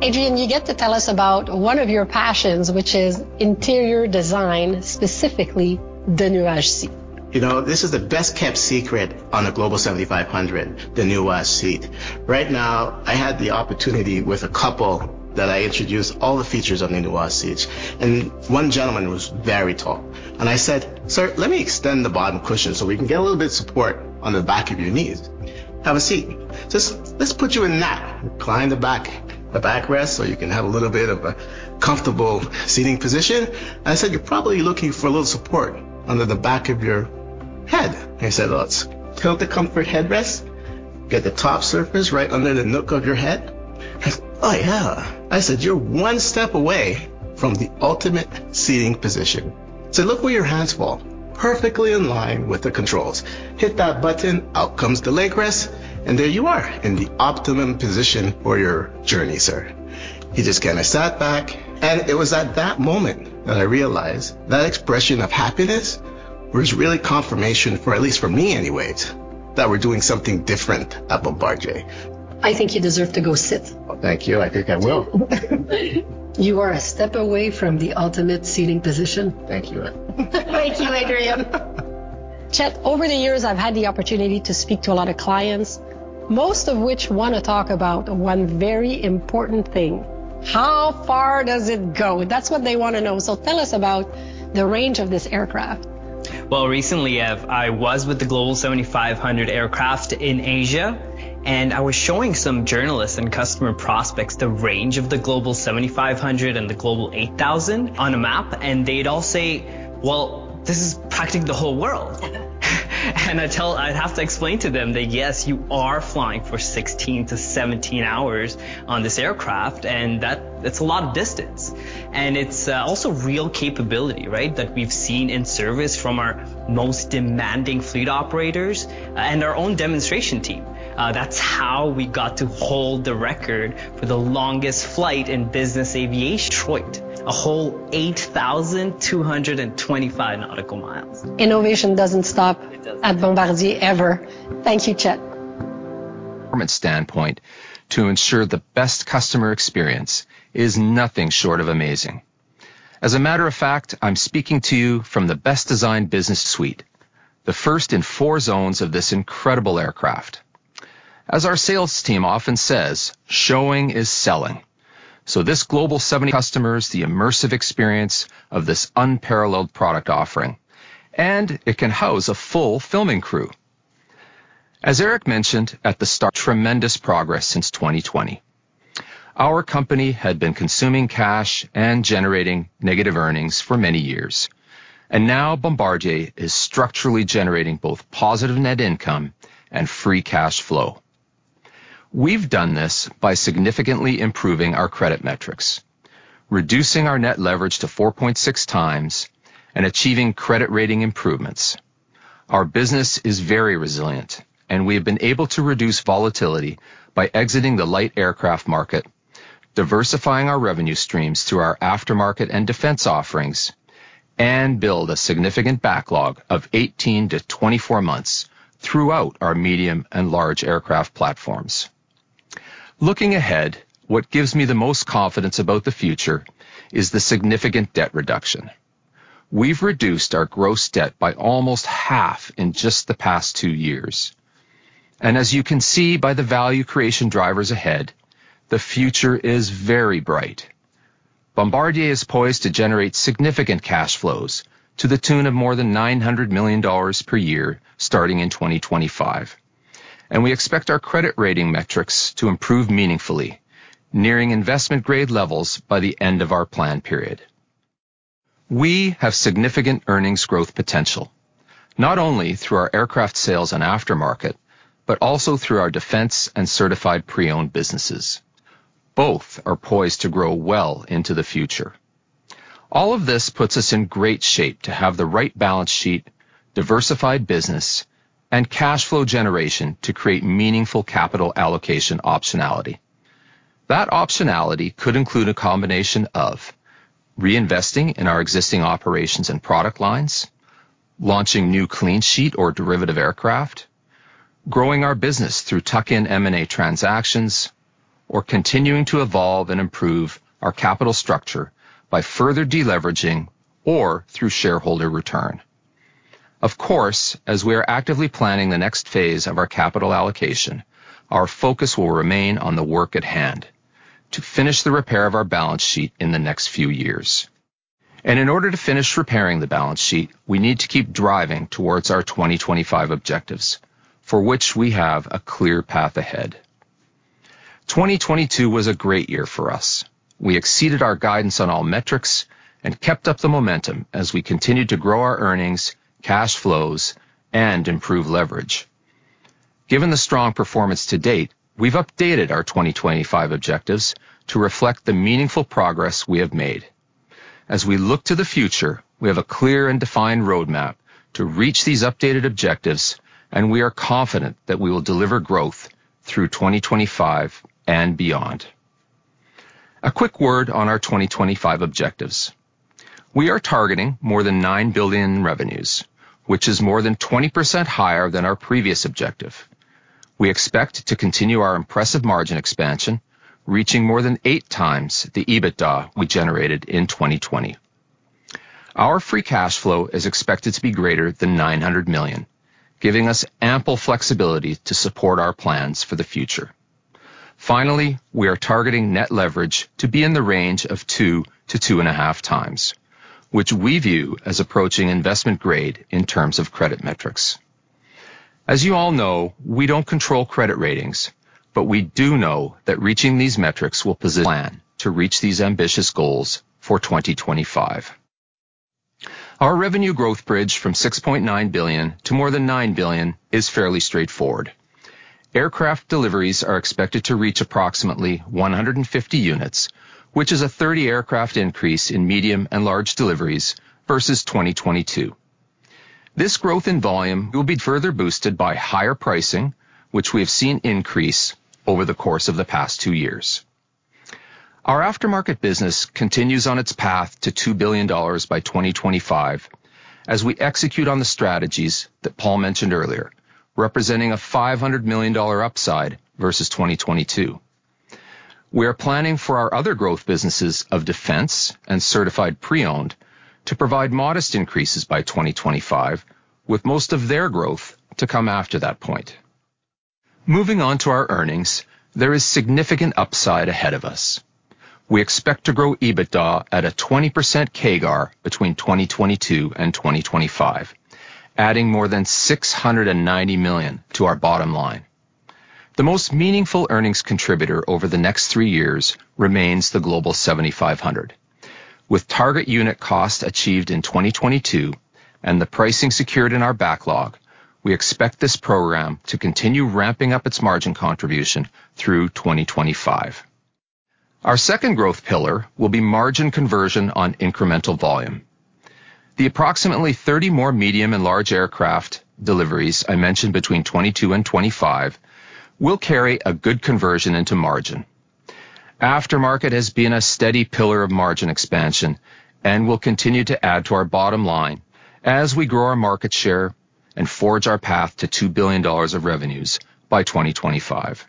Adrian, you get to tell us about one of your passions, which is interior design, specifically the Nuage seat. You know, this is the best-kept secret on a Global 7500, the Nuage seat. Right now, I had the opportunity with a couple that I introduced all the features of the Nuage seats, one gentleman was very tall. I said, "Sir, let me extend the bottom cushion so we can get a little bit of support on the back of your knees. Have a seat. Let's put you in that. Recline the back, the backrest, so you can have a little bit of a comfortable seating position." I said, "You're probably looking for a little support under the back of your head." I said, "Let's tilt the comfort headrest. Get the top surface right under the nook of your head." He said, "Oh, yeah." I said, "You're one step away from the ultimate seating position." Said, "Look where your hands fall, perfectly in line with the controls. Hit that button. Out comes the leg rest, and there you are in the optimum position for your journey, sir." He just kinda sat back, and it was at that moment that I realized that expression of happiness was really confirmation for, at least for me anyways, that we're doing something different at Bombardier. I think you deserve to go sit. Well, thank you. I think I will. You are a step away from the ultimate seating position. Thank you, Ève. Thank you, Adrian. Chet, over the years, I've had the opportunity to speak to a lot of clients, most of which wanna talk about one very important thing: how far does it go? That's what they wanna know. Tell us about the range of this aircraft. Recently, Ève, I was with the Global 7500 aircraft in Asia, and I was showing some journalists and customer prospects the range of the Global 7500 and the Global 8000 on a map. They'd all say, "Well, this is practically the whole world. Yeah. I'd have to explain to them that, yes, you are flying for 16 to 17 hours on this aircraft, and that it's a lot of distance. It's also real capability, right, that we've seen in service from our most demanding fleet operators and our own demonstration team. That's how we got to hold the record for the longest flight in business aviation to Detroit, a whole 8,225 nautical miles. Innovation doesn't stop at Bombardier ever. Thank you, Chet. From a standpoint to ensure the best customer experience is nothing short of amazing. As a matter of fact, I'm speaking to you from the best designed business suite, the first in four zones of this incredible aircraft. This Global 7500 customers the immersive experience of this unparalleled product offering, and it can house a full filming crew. As Éric mentioned at the start, tremendous progress since 2020. Our company had been consuming cash and generating negative earnings for many years, and now Bombardier is structurally generating both positive net income and free cash flow. We've done this by significantly improving our credit metrics, reducing our net leverage to 4.6x, and achieving credit rating improvements. Our business is very resilient, we have been able to reduce volatility by exiting the light aircraft market, diversifying our revenue streams through our aftermarket and defense offerings, and build a significant backlog of 18-24 months throughout our medium and large aircraft platforms. Looking ahead, what gives me the most confidence about the future is the significant debt reduction. We've reduced our gross debt by almost half in just the past two years. As you can see by the value creation drivers ahead, the future is very bright. Bombardier is poised to generate significant cash flows to the tune of more than $900 million per year starting in 2025, we expect our credit rating metrics to improve meaningfully, nearing investment grade levels by the end of our plan period. We have significant earnings growth potential, not only through our aircraft sales and aftermarket, but also through our defense and certified pre-owned businesses. Both are poised to grow well into the future. All of this puts us in great shape to have the right balance sheet, diversified business, and cash flow generation to create meaningful capital allocation optionality. That optionality could include a combination of reinvesting in our existing operations and product lines, launching new clean sheet or derivative aircraft, growing our business through tuck-in M&A transactions, or continuing to evolve and improve our capital structure by further de-leveraging or through shareholder return. Of course, as we are actively planning the next phase of our capital allocation, our focus will remain on the work at hand to finish the repair of our balance sheet in the next few years. In order to finish repairing the balance sheet, we need to keep driving towards our 2025 objectives, for which we have a clear path ahead. 2022 was a great year for us. We exceeded our guidance on all metrics and kept up the momentum as we continued to grow our earnings, cash flows, and improve leverage. Given the strong performance to date, we've updated our 2025 objectives to reflect the meaningful progress we have made. As we look to the future, we have a clear and defined roadmap to reach these updated objectives, and we are confident that we will deliver growth through 2025 and beyond. A quick word on our 2025 objectives. We are targeting more than $9 billion in revenues, which is more than 20% higher than our previous objective. We expect to continue our impressive margin expansion, reaching more than 8x the EBITDA we generated in 2020. Our free cash flow is expected to be greater than $900 million, giving us ample flexibility to support our plans for the future. Finally, we are targeting net leverage to be in the range of 2x to 2.5x, which we view as approaching investment grade in terms of credit metrics. As you all know, we don't control credit ratings, but we do know that reaching these metrics will plan to reach these ambitious goals for 2025. Our revenue growth bridge from $6.9 billion to more than $9 billion is fairly straightforward. Aircraft deliveries are expected to reach approximately 150 units, which is a 30 aircraft increase in medium and large deliveries versus 2022. This growth in volume will be further boosted by higher pricing, which we have seen increase over the course of the past two years. Our aftermarket business continues on its path to $2 billion by 2025 as we execute on the strategies that Paul mentioned earlier, representing a $500 million upside versus 2022. We are planning for our other growth businesses of Defense and certified pre-owned to provide modest increases by 2025, with most of their growth to come after that point. Moving on to our earnings, there is significant upside ahead of us. We expect to grow EBITDA at a 20% CAGR between 2022 and 2025, adding more than $690 million to our bottom line. The most meaningful earnings contributor over the next three years remains the Global 7500. With target unit cost achieved in 2022 and the pricing secured in our backlog, we expect this program to continue ramping up its margin contribution through 2025. Our second growth pillar will be margin conversion on incremental volume. The approximately 30 more medium and large aircraft deliveries I mentioned between 2022 and 2025 will carry a good conversion into margin. Aftermarket has been a steady pillar of margin expansion and will continue to add to our bottom line as we grow our market share and forge our path to $2 billion of revenues by 2025.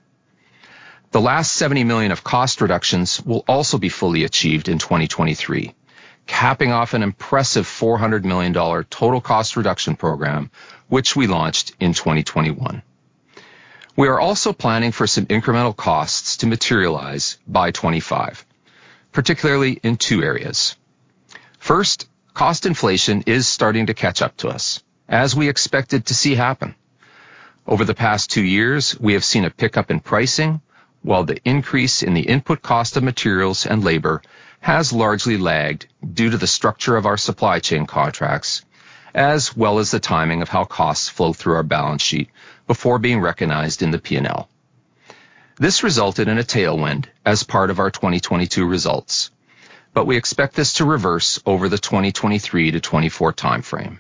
The last $70 million of cost reductions will also be fully achieved in 2023, capping off an impressive $400 million total cost reduction program, which we launched in 2021. We are also planning for some incremental costs to materialize by 2025, particularly in two areas. First, cost inflation is starting to catch up to us, as we expected to see happen. Over the past two years, we have seen a pickup in pricing. The increase in the input cost of materials and labor has largely lagged due to the structure of our supply chain contracts, as well as the timing of how costs flow through our balance sheet before being recognized in the P&L. This resulted in a tailwind as part of our 2022 results. We expect this to reverse over the 2023-2024 timeframe.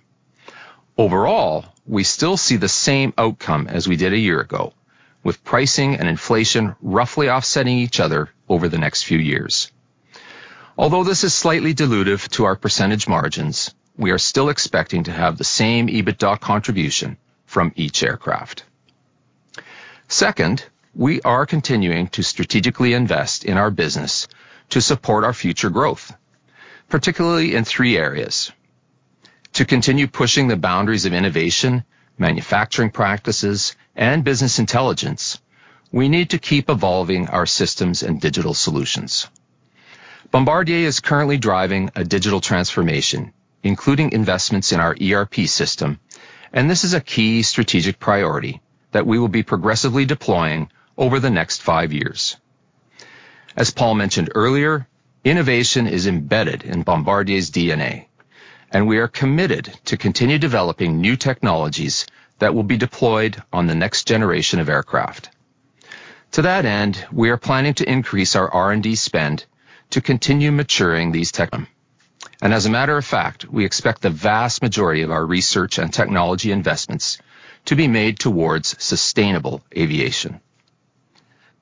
Overall, we still see the same outcome as we did a year ago, with pricing and inflation roughly offsetting each other over the next few years. This is slightly dilutive to our % margins. We are still expecting to have the same EBITDA contribution from each aircraft. Second, we are continuing to strategically invest in our business to support our future growth, particularly in three areas. To continue pushing the boundaries of innovation, manufacturing practices, and business intelligence, we need to keep evolving our systems and digital solutions. Bombardier is currently driving a digital transformation, including investments in our ERP system, and this is a key strategic priority that we will be progressively deploying over the next five years. As Paul mentioned earlier, innovation is embedded in Bombardier's DNA, and we are committed to continue developing new technologies that will be deployed on the next generation of aircraft. To that end, we are planning to increase our R&D spend to continue maturing these. As a matter of fact, we expect the vast majority of our research and technology investments to be made towards sustainable aviation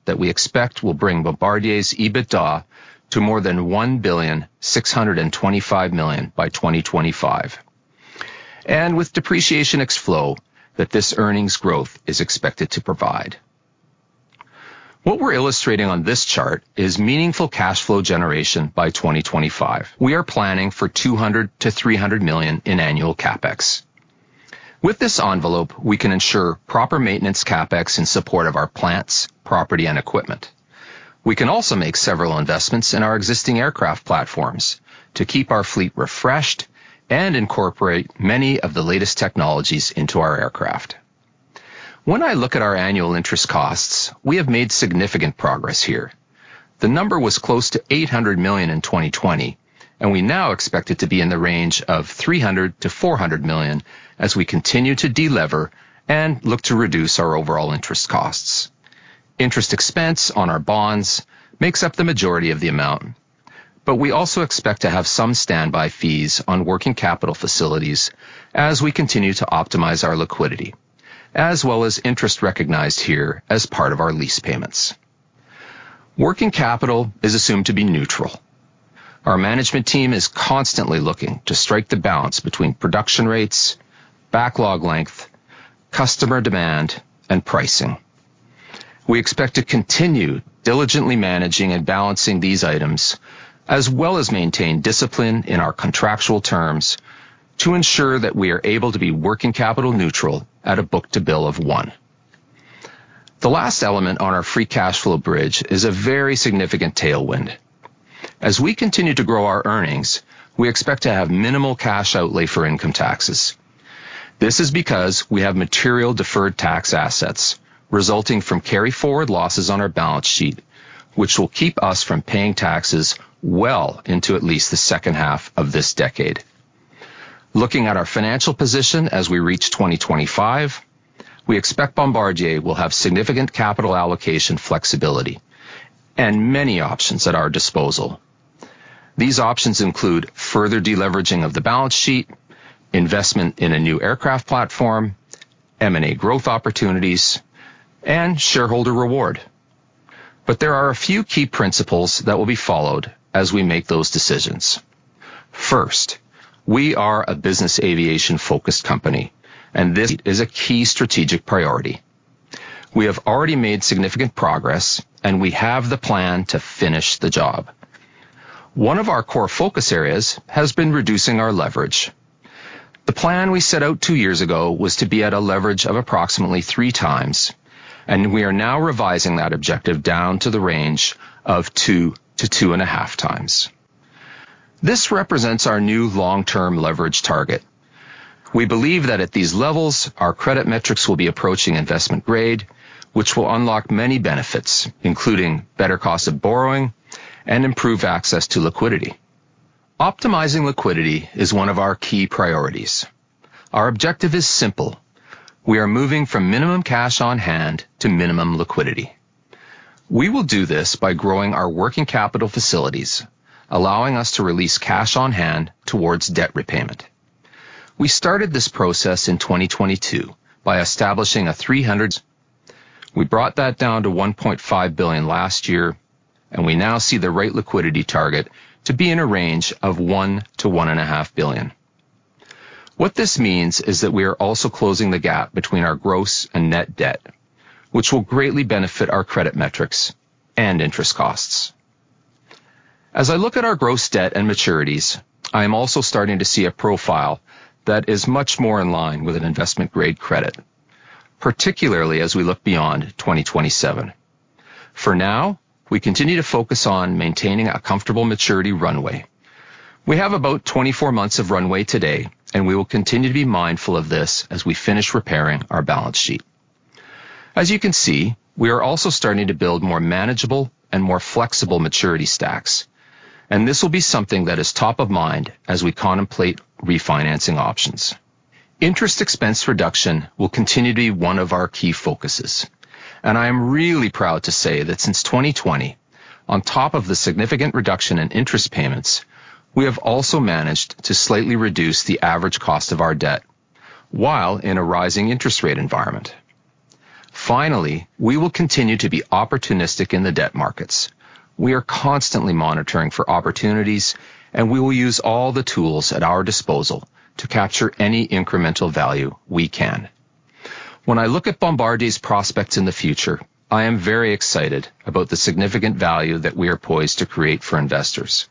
that we expect will bring Bombardier's EBITDA to more than $1.625 billion by 2025. With depreciation and cash flow that this earnings growth is expected to provide. What we're illustrating on this chart is meaningful cash flow generation by 2025. We are planning for $200 million-$300 million in annual CapEx. With this envelope, we can ensure proper maintenance CapEx in support of our plants, property, and equipment. We can also make several investments in our existing aircraft platforms to keep our fleet refreshed and incorporate many of the latest technologies into our aircraft. When I look at our annual interest costs, we have made significant progress here. The number was close to $800 million in 2020. We now expect it to be in the range of $300 million-$400 million as we continue to delever and look to reduce our overall interest costs. Interest expense on our bonds makes up the majority of the amount. We also expect to have some standby fees on working capital facilities as we continue to optimize our liquidity, as well as interest recognized here as part of our lease payments. Working capital is assumed to be neutral. Our management team is constantly looking to strike the balance between production rates, backlog length, customer demand, and pricing. We expect to continue diligently managing and balancing these items, as well as maintain discipline in our contractual terms to ensure that we are able to be working capital neutral at a book-to-bill of one. The last element on our free cash flow bridge is a very significant tailwind. As we continue to grow our earnings, we expect to have minimal cash outlay for income taxes. This is because we have material deferred tax assets resulting from carry forward losses on our balance sheet, which will keep us from paying taxes well into at least the second half of this decade. Looking at our financial position as we reach 2025, we expect Bombardier will have significant capital allocation flexibility and many options at our disposal. These options include further deleveraging of the balance sheet, investment in a new aircraft platform, M&A growth opportunities, and shareholder reward. There are a few key principles that will be followed as we make those decisions. First, we are a business aviation-focused company, and this is a key strategic priority. We have already made significant progress, and we have the plan to finish the job. One of our core focus areas has been reducing our leverage. The plan we set out two years ago was to be at a leverage of approximately 3x, and we are now revising that objective down to the range of 2x to 2.5x. This represents our new long-term leverage target. We believe that at these levels, our credit metrics will be approaching investment grade, which will unlock many benefits, including better cost of borrowing and improve access to liquidity. Optimizing liquidity is one of our key priorities. Our objective is simple: We are moving from minimum cash on hand to minimum liquidity. We will do this by growing our working capital facilities, allowing us to release cash on hand towards debt repayment. We started this process in 2022 by establishing a 300. We brought that down to $1.5 billion last year, and we now see the right liquidity target to be in a range of $1 billion-$1.5 billion. What this means is that we are also closing the gap between our gross and net debt, which will greatly benefit our credit metrics and interest costs. As I look at our gross debt and maturities, I am also starting to see a profile that is much more in line with an investment-grade credit, particularly as we look beyond 2027. For now, we continue to focus on maintaining a comfortable maturity runway. We have about 24 months of runway today, and we will continue to be mindful of this as we finish repairing our balance sheet. As you can see, we are also starting to build more manageable and more flexible maturity stacks. This will be something that is top of mind as we contemplate refinancing options. Interest expense reduction will continue to be one of our key focuses. I am really proud to say that since 2020, on top of the significant reduction in interest payments, we have also managed to slightly reduce the average cost of our debt while in a rising interest rate environment. Finally, we will continue to be opportunistic in the debt markets. We are constantly monitoring for opportunities. We will use all the tools at our disposal to capture any incremental value we can. When I look at Bombardier's prospects in the future, I am very excited about the significant value that we are poised to create for investors.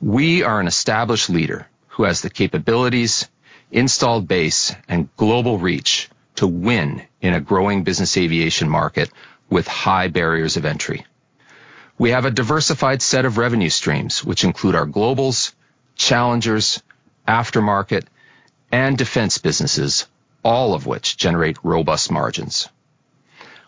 We are an established leader who has the capabilities, installed base, and global reach to win in a growing business aviation market with high barriers of entry. We have a diversified set of revenue streams, which include our Globals, Challengers, Aftermarket, and Defense businesses, all of which generate robust margins.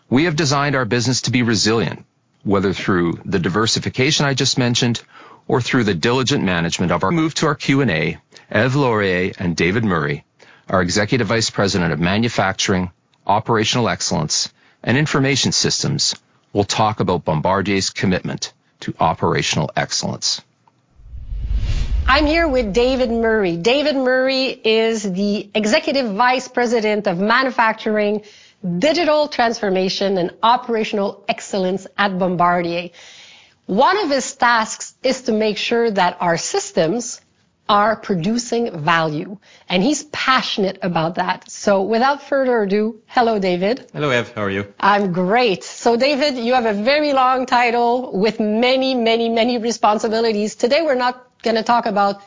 We have designed our business to be resilient, whether through the diversification I just mentioned, or through the diligent management of our. Move to our Q&A, Ève Laurier and David Murray, our Executive Vice President of Manufacturing, Operational Excellence and Information Systems, will talk about Bombardier's commitment to operational excellence. I'm here with David Murray. David Murray is the Executive Vice President of Manufacturing, Digital Transformation, and Operational Excellence at Bombardier. One of his tasks is to make sure that our systems are producing value, and he's passionate about that. Without further ado, hello, David. Hello, Ève. How are you? I'm great. David, you have a very long title with many, many, many responsibilities. Today, we're not gonna talk about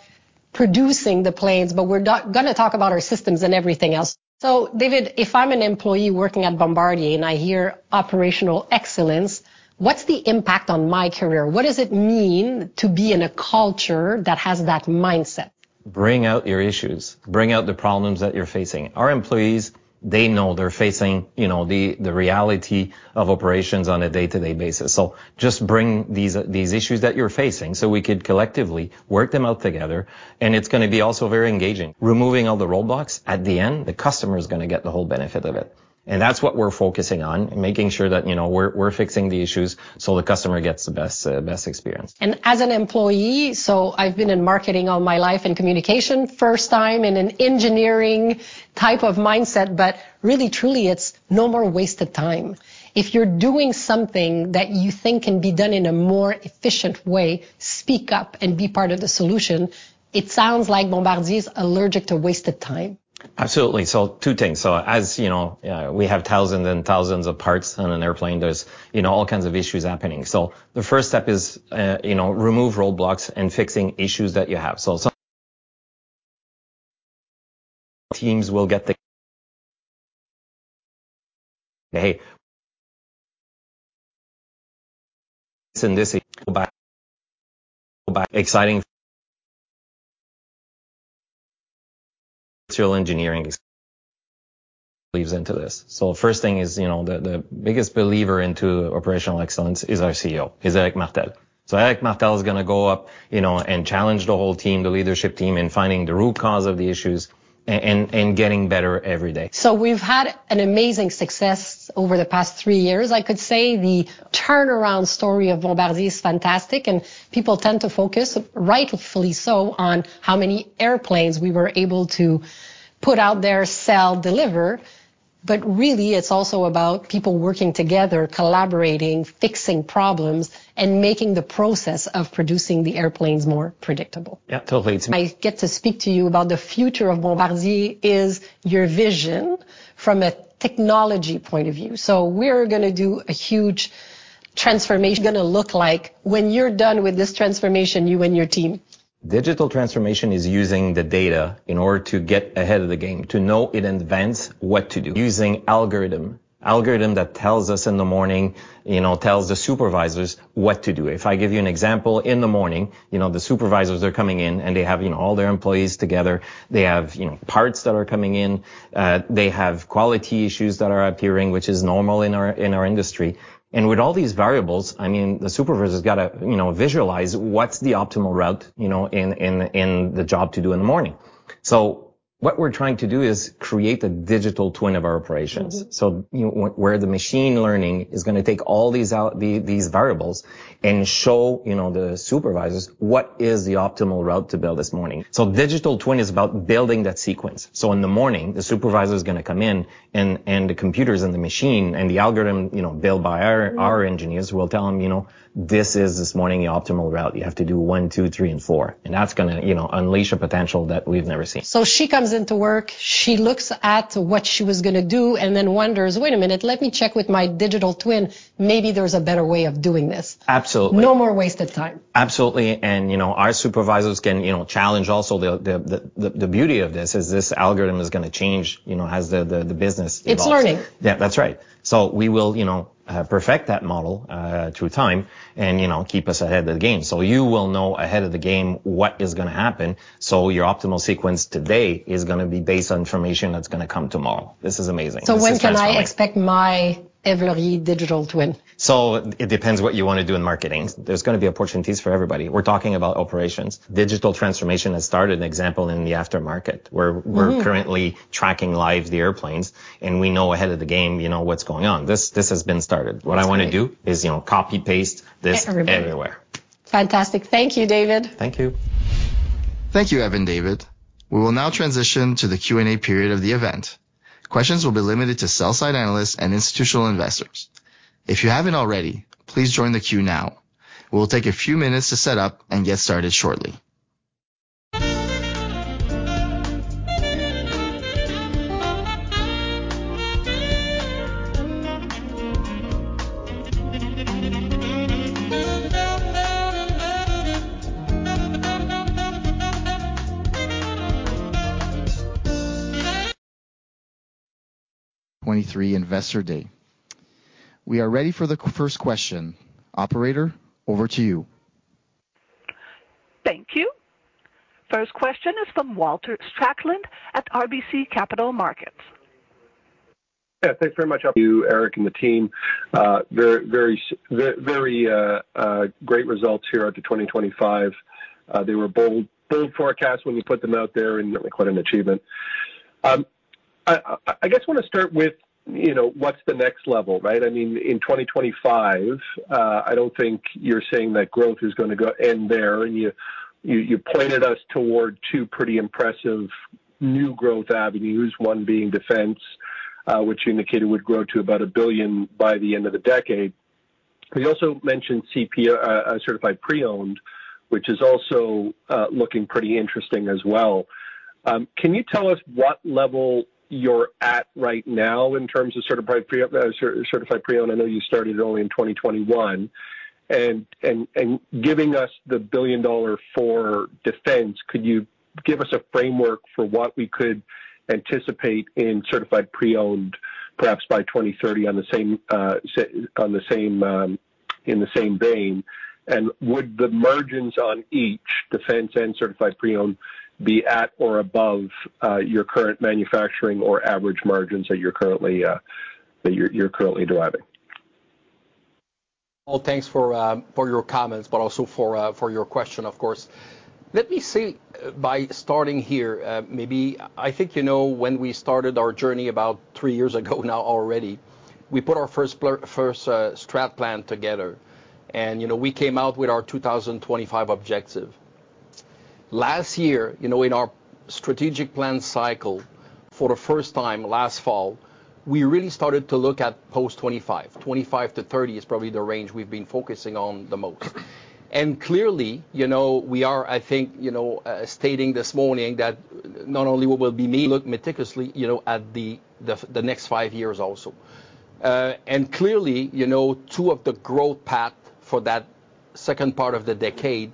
producing the planes, but we're gonna talk about our systems and everything else. David, if I'm an employee working at Bombardier, and I hear operational excellence, what's the impact on my career? What does it mean to be in a culture that has that mindset? Bring out your issues. Bring out the problems that you're facing. Our employees, they know they're facing, you know, the reality of operations on a day-to-day basis. Just bring these issues that you're facing so we could collectively work them out together. It's gonna be also very engaging. Removing all the roadblocks, at the end, the customer is gonna get the whole benefit of it. That's what we're focusing on, making sure that, you know, we're fixing the issues so the customer gets the best experience. As an employee, I've been in marketing all my life and communication, first time in an engineering type of mindset, but really truly it's no more wasted time. If you're doing something that you think can be done in a more efficient way, speak up and be part of the solution. It sounds like Bombardier is allergic to wasted time. Absolutely. Two things. As you know, we have thousands and thousands of parts on an airplane, there's, you know, all kinds of issues happening. The first step is, you know, remove roadblocks and fixing issues that you have. First thing is, you know, the biggest believer into operational excellence is our CEO, is Éric Martel. Éric Martel is gonna go up, you know, and challenge the whole team, the leadership team in finding the root cause of the issues and getting better every day. We've had an amazing success over the past three years. I could say the turnaround story of Bombardier is fantastic, and people tend to focus, rightfully so, on how many airplanes we were able to put out there, sell, deliver. Really, it's also about people working together, collaborating, fixing problems, and making the process of producing the airplanes more predictable. Yeah. Totally. I get to speak to you about the future of Bombardier is your vision from a technology point of view. We're gonna do a huge transformation gonna look like when you're done with this transformation, you and your team? Digital transformation is using the data in order to get ahead of the game, to know in advance what to do. Using algorithm that tells us in the morning, you know, tells the supervisors what to do. If I give you an example, in the morning, you know, the supervisors are coming in, and they have, you know, all their employees together. They have, you know, parts that are coming in. They have quality issues that are appearing, which is normal in our industry. With all these variables, I mean, the supervisor's gotta, you know, visualize what's the optimal route, you know, in the job to do in the morning. What we're trying to do is create a digital twin of our operations. You know, where the machine learning is gonna take all these out these variables and show, you know, the supervisors what is the optimal route to build this morning. Digital twin is about building that sequence. In the morning, the supervisor is gonna come in, and the computers and the machine and the algorithm, you know, built by our engineers will tell them, "You know, this is, this morning, the optimal route. You have to do one, two, three, and four." That's gonna, you know, unleash a potential that we've never seen. She comes into work, she looks at what she was gonna do and then wonders, "Wait a minute. Let me check with my digital twin. Maybe there's a better way of doing this. Absolutely. No more wasted time. Absolutely. You know, our supervisors can, you know, challenge also the beauty of this is this algorithm is gonna change, you know, as the business evolves. It's learning. Yeah, that's right. We will, you know, perfect that model, through time and, you know, keep us ahead of the game. You will know ahead of the game what is gonna happen, so your optimal sequence today is gonna be based on information that's gonna come tomorrow. This is amazing. This is transforming. When can I expect my Ève Laurier digital twin? It depends what you wanna do in marketing. There's gonna be opportunities for everybody. We're talking about operations. Digital transformation has started, an example, in the aftermarket currently tracking live the airplanes, and we know ahead of the game, you know, what's going on. This has been started. What I wanna do is, you know, copy-paste this everywhere. Fantastic. Thank you, David. Thank you. Thank you, Ève and David. We will now transition to the Q&A period of the event. Questions will be limited to sell side analysts and institutional investors. If you haven't already, please join the queue now. We'll take a few minutes to set up and get started shortly. 23 Investor Day. We are ready for the first question. Operator, over to you. Thank you. First question is from Walter Spracklin at RBC Capital Markets. Thanks very much. You, Éric, and the team, very, very great results here out to 2025. They were bold forecasts when you put them out there, and really quite an achievement. I guess I wanna start with, you know, what's the next level, right? I mean, in 2025, I don't think you're saying that growth is gonna end there, and you pointed us toward two pretty impressive new growth avenues, one being defense, which you indicated would grow to about $1 billion by the end of the decade. You also mentioned CP, Certified Pre-Owned, which is also looking pretty interesting as well. Can you tell us what level you're at right now in terms of Certified Pre-Owned, Certified Pre-Owned? I know you started only in 2021. Giving us the $1 billion for Defense, could you give us a framework for what we could anticipate in Certified Pre-Owned perhaps by 2030 on the same vein? Would the margins on each, Defense and Certified Pre-Owned, be at or above your current manufacturing or average margins that you're currently deriving? Well, thanks for your comments, also for your question, of course. Let me say by starting here, you know, when we started our journey about three years ago now already, we put our first strat plan together. You know, we came out with our 2025 objective. Last year, you know, in our strategic plan cycle, for the first time last fall, we really started to look at post 25. 25 to 30 is probably the range we've been focusing on the most. Clearly, you know, we are, you know, stating this morning that not only will we be look meticulously, you know, at the next five years also. Clearly, you know, two of the growth path for that second part of the decade,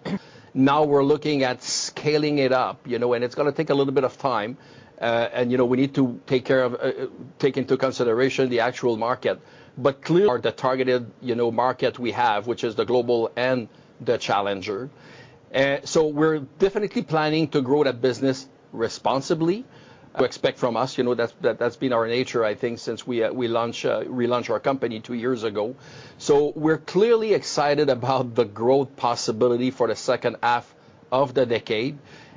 now we're looking at scaling it up, you know, and it's gonna take a little bit of time. You know, we need to take care of, take into consideration the actual market. Clearly the targeted, you know, market we have, which is the Global and the Challenger. We're definitely planning to grow that business responsibly. To expect from us, you know, that's been our nature, I think, since we relaunched our company two years ago. We're clearly excited about the growth possibility for the second half of the decade.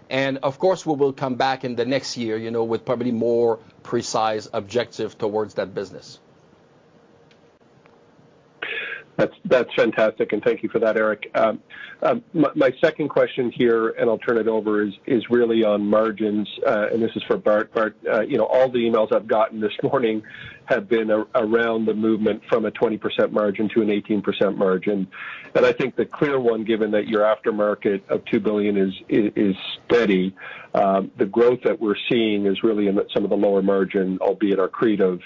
Of course, we will come back in the next year, you know, with probably more precise objective towards that business. That's fantastic. Thank you for that, Éric. My second question here, I'll turn it over, is really on margins. This is for Bart. Bart, you know, all the emails I've gotten this morning have been around the movement from a 20% margin to an 18% margin. I think the clear one, given that your aftermarket of $2 billion is steady, the growth that we're seeing is really in some of the lower margin, albeit accretive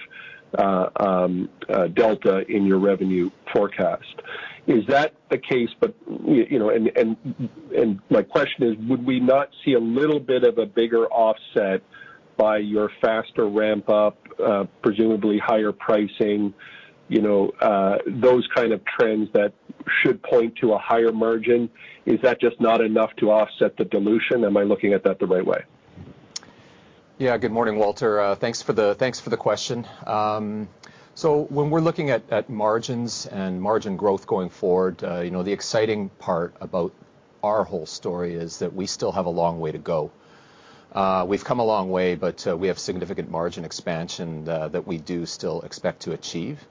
delta in your revenue forecast. Is that the case? You know, and my question is, would we not see a little bit of a bigger offset by your faster ramp up, presumably higher pricing, you know, those kind of trends that should point to a higher margin? Is that just not enough to offset the dilution? Am I looking at that the right way? Good morning, Walter. Thanks for the question. When we're looking at margins and margin growth going forward, you know, the exciting part about our whole story is that we still have a long way to go. We've come a long way, but we have significant margin expansion that we do still expect to achieve.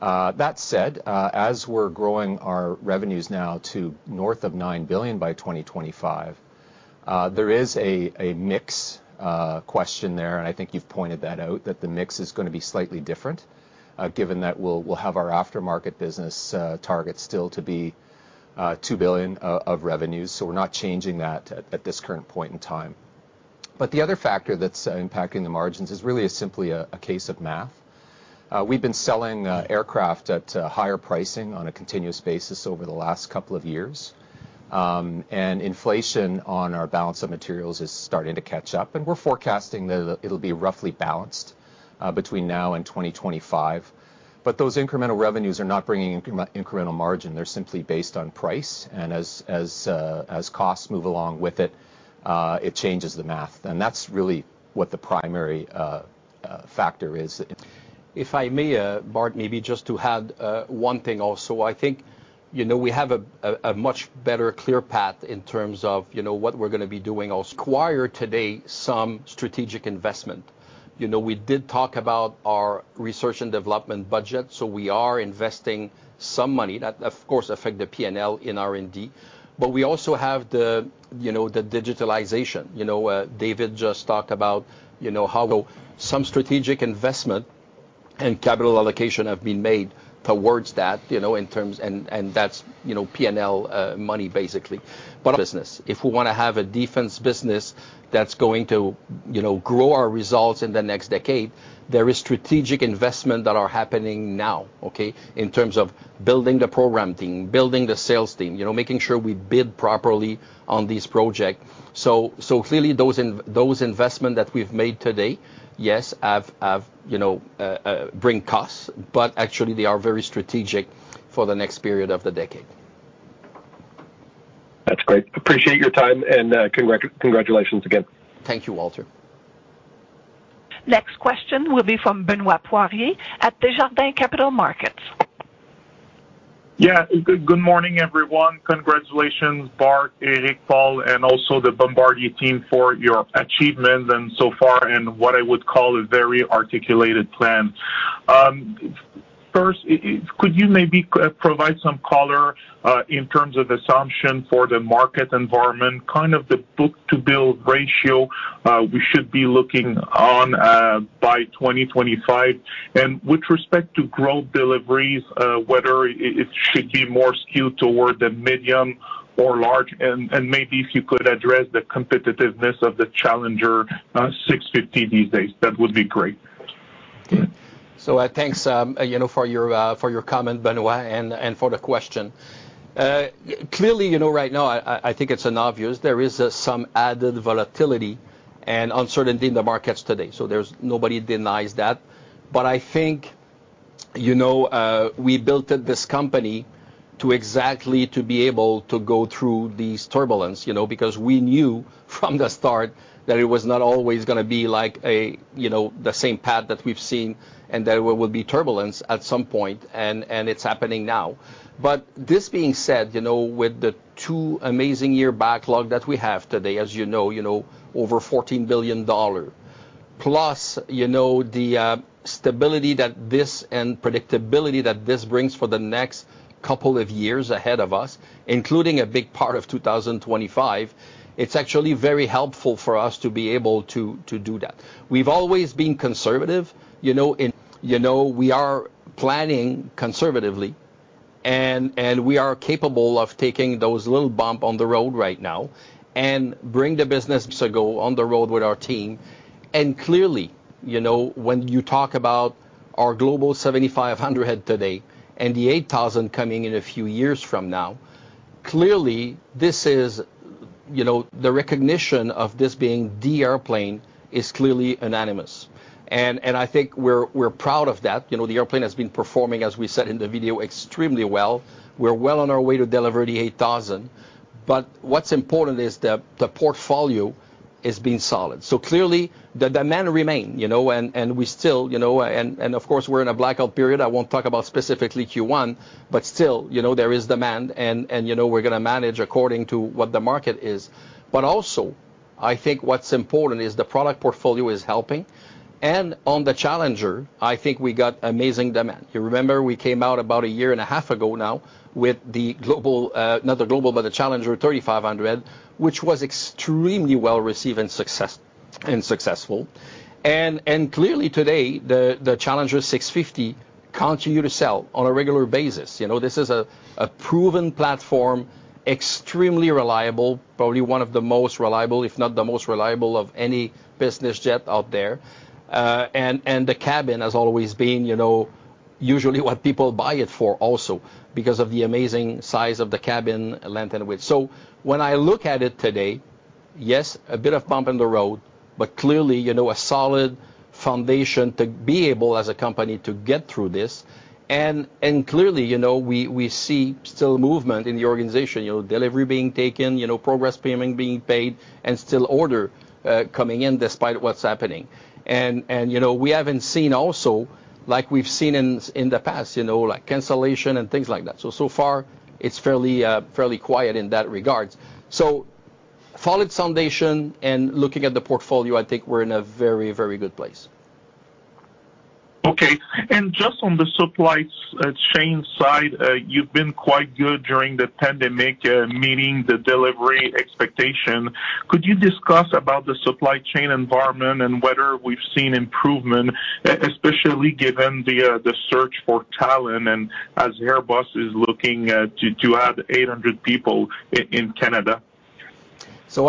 That said, as we're growing our revenues now to north of $9 billion by 2025, there is a mix question there, and I think you've pointed that out, that the mix is gonna be slightly different, given that we'll have our aftermarket business target still to be $2 billion of revenues. We're not changing that at this current point in time. The other factor that's impacting the margins is really simply a case of math. We've been selling aircraft at higher pricing on a continuous basis over the last couple of years. Inflation on our balance of materials is starting to catch up, and we're forecasting that it'll be roughly balanced between now and 2025. Those incremental revenues are not bringing incremental margin. They're simply based on price, and as costs move along with it changes the math. That's really what the primary factor is. If I may, Bart, maybe just to add one thing also. I think, you know, we have a much better clear path in terms of, you know, what we're gonna be doing. Acquire today some strategic investment. You know, we did talk about our research and development budget. We are investing some money. That of course affect the P&L in R&D. We also have the, you know, the digitalization. You know, David just talked about, you know, how some strategic investment and capital allocation have been made towards that. That's, you know, P&L money basically. Our business. If we wanna have a defense business that's going to, you know, grow our results in the next decade, there is strategic investment that are happening now, okay? In terms of building the program team, building the sales team, you know, making sure we bid properly on these project. Clearly, those investment that we've made today, yes, have, you know, bring costs, but actually they are very strategic for the next period of the decade. That's great. Appreciate your time and, congratulations again. Thank you, Walter. Next question will be from Benoit Poirier at Desjardins Capital Markets. Good morning, everyone. Congratulations, Bart, Éric, Paul, and also the Bombardier team for your achievements and so far in what I would call a very articulated plan. First, could you maybe provide some color in terms of assumption for the market environment, kind of the book-to-bill ratio we should be looking on by 2025? With respect to growth deliveries, whether it should be more skewed toward the medium or large? Maybe if you could address the competitiveness of the Challenger 650 these days, that would be great. Thanks, you know, for your, for your comment, Benoit, and for the question. Clearly, you know, right now I think it's an obvious there is some added volatility and uncertainty in the markets today. Nobody denies that. I think, you know, we built this company to exactly to be able to go through these turbulence, you know. We knew from the start that it was not always gonna be like a, you know, the same path that we've seen, and there would be turbulence at some point, and it's happening now. This being said, you know, with the two amazing year backlog that we have today, as you know, you know, over $14 billion, plus, you know, the stability that this and predictability that this brings for the next couple of years ahead of us, including a big part of 2025, it's actually very helpful for us to be able to do that. We've always been conservative, you know. You know, we are planning conservatively and we are capable of taking those little bump on the road right now and bring the business to go on the road with our team. Clearly, you know, when you talk about our Global 7500 today, and the Global 8000 coming in a few years from now, clearly this is, you know, the recognition of this being the airplane is clearly unanimous. I think we're proud of that. You know, the airplane has been performing, as we said in the video, extremely well. We're well on our way to deliver the 8,000. What's important is the portfolio is being solid. Clearly the demand remain, you know, and we still, you know. Of course, we're in a blackout period. I won't talk about specifically Q1, but still, you know, there is demand and you know, we're gonna manage according to what the market is. Also, I think what's important is the product portfolio is helping. On the Challenger, I think we got amazing demand. You remember we came out about a year and a half ago now with the Global, not the Global, but the Challenger 3500, which was extremely well received and successful. Clearly today, the Challenger 650 continue to sell on a regular basis. You know, this is a proven platform, extremely reliable, probably one of the most reliable, if not the most reliable, of any business jet out there. And the cabin has always been, you know, usually what people buy it for also because of the amazing size of the cabin length and width. When I look at it today, yes, a bit of bump in the road, but clearly, you know, a solid foundation to be able as a company to get through this. Clearly, you know, we see still movement in the organization, you know, delivery being taken, you know, progress payment being paid, and still order coming in despite what's happening. You know, we haven't seen also like we've seen in the past, you know, like cancellation and things like that. So far it's fairly quiet in that regards. Solid foundation and looking at the portfolio, I think we're in a very good place. Okay. Just on the supply chain side, you've been quite good during the pandemic, meeting the delivery expectation. Could you discuss about the supply chain environment and whether we've seen improvement, especially given the search for talent and as Airbus is looking to add 800 people in Canada?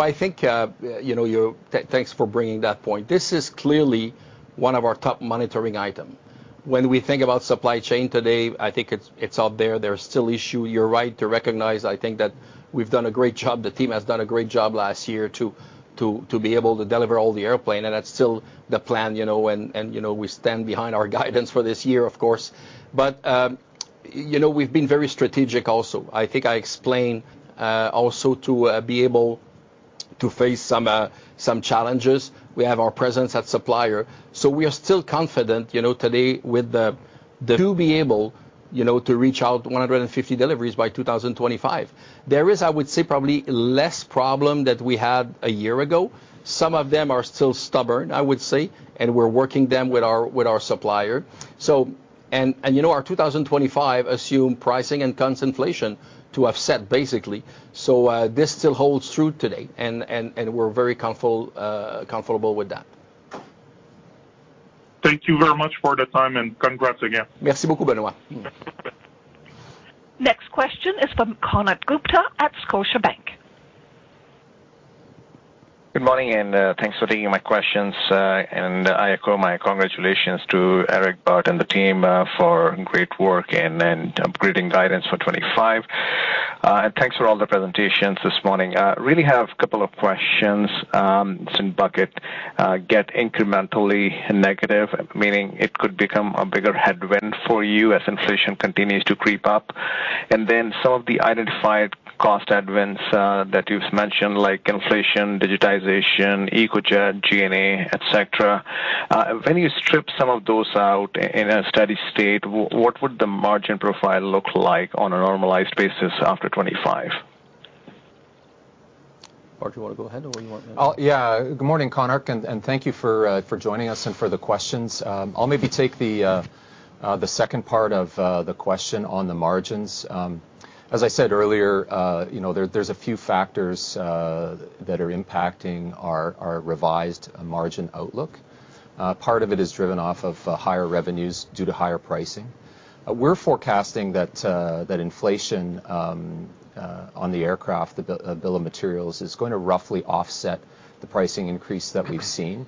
I think, you know, thanks for bringing that point. This is clearly one of our top monitoring item. When we think about supply chain today, I think it's out there. There's still issue. You're right to recognize. I think that we've done a great job. The team has done a great job last year to be able to deliver all the airplane, that's still the plan, you know. You know, we stand behind our guidance for this year, of course. You know, we've been very strategic also. I think I explained also to face some challenges. We have our presence at supplier. We are still confident, you know, today to be able, you know, to reach out 150 deliveries by 2025. There is, I would say, probably less problem than we had a year ago. Some of them are still stubborn, I would say, and we're working them with our supplier. You know, our 2025 assume pricing and cost inflation to offset basically. This still holds true today, and we're very comfortable with that. Thank you very much for the time and congrats again. Merci beaucoup, Benoit. Next question is from Konark Gupta at Scotiabank. Good morning. Thanks for taking my questions. I echo my congratulations to Éric, Bart, and the team, for great work and upgrading guidance for 25. Thanks for all the presentations this morning. Really have a couple of questions. Some bucket, get incrementally negative, meaning it could become a bigger headwind for you as inflation continues to creep up. Then some of the identified cost headwinds, that you've mentioned, like inflation, digitization, EcoJet, G&A, et cetera. When you strip some of those out in a steady state, what would the margin profile look like on a normalized basis after 25? Bart, you wanna go ahead or you want me to— Oh, yeah. Good morning, Konark, and thank you for joining us and for the questions. I'll maybe take the second part of the question on the margins. As I said earlier, you know, there's a few factors that are impacting our revised margin outlook. Part of it is driven off of higher revenues due to higher pricing. We're forecasting that inflation on the aircraft, the bill of materials, is going to roughly offset the pricing increase that we've seen.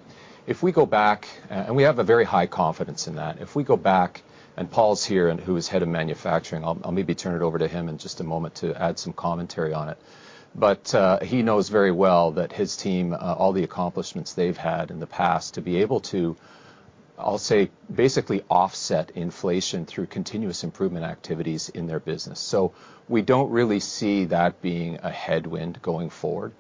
We have a very high confidence in that. If we go back, and Paul's here and who is head of manufacturing, I'll maybe turn it over to him in just a moment to add some commentary on it. He knows very well that his team, all the accomplishments they've had in the past to be able to, I'll say, basically offset inflation through continuous improvement activities in their business. We don't really see that being a headwind going forward.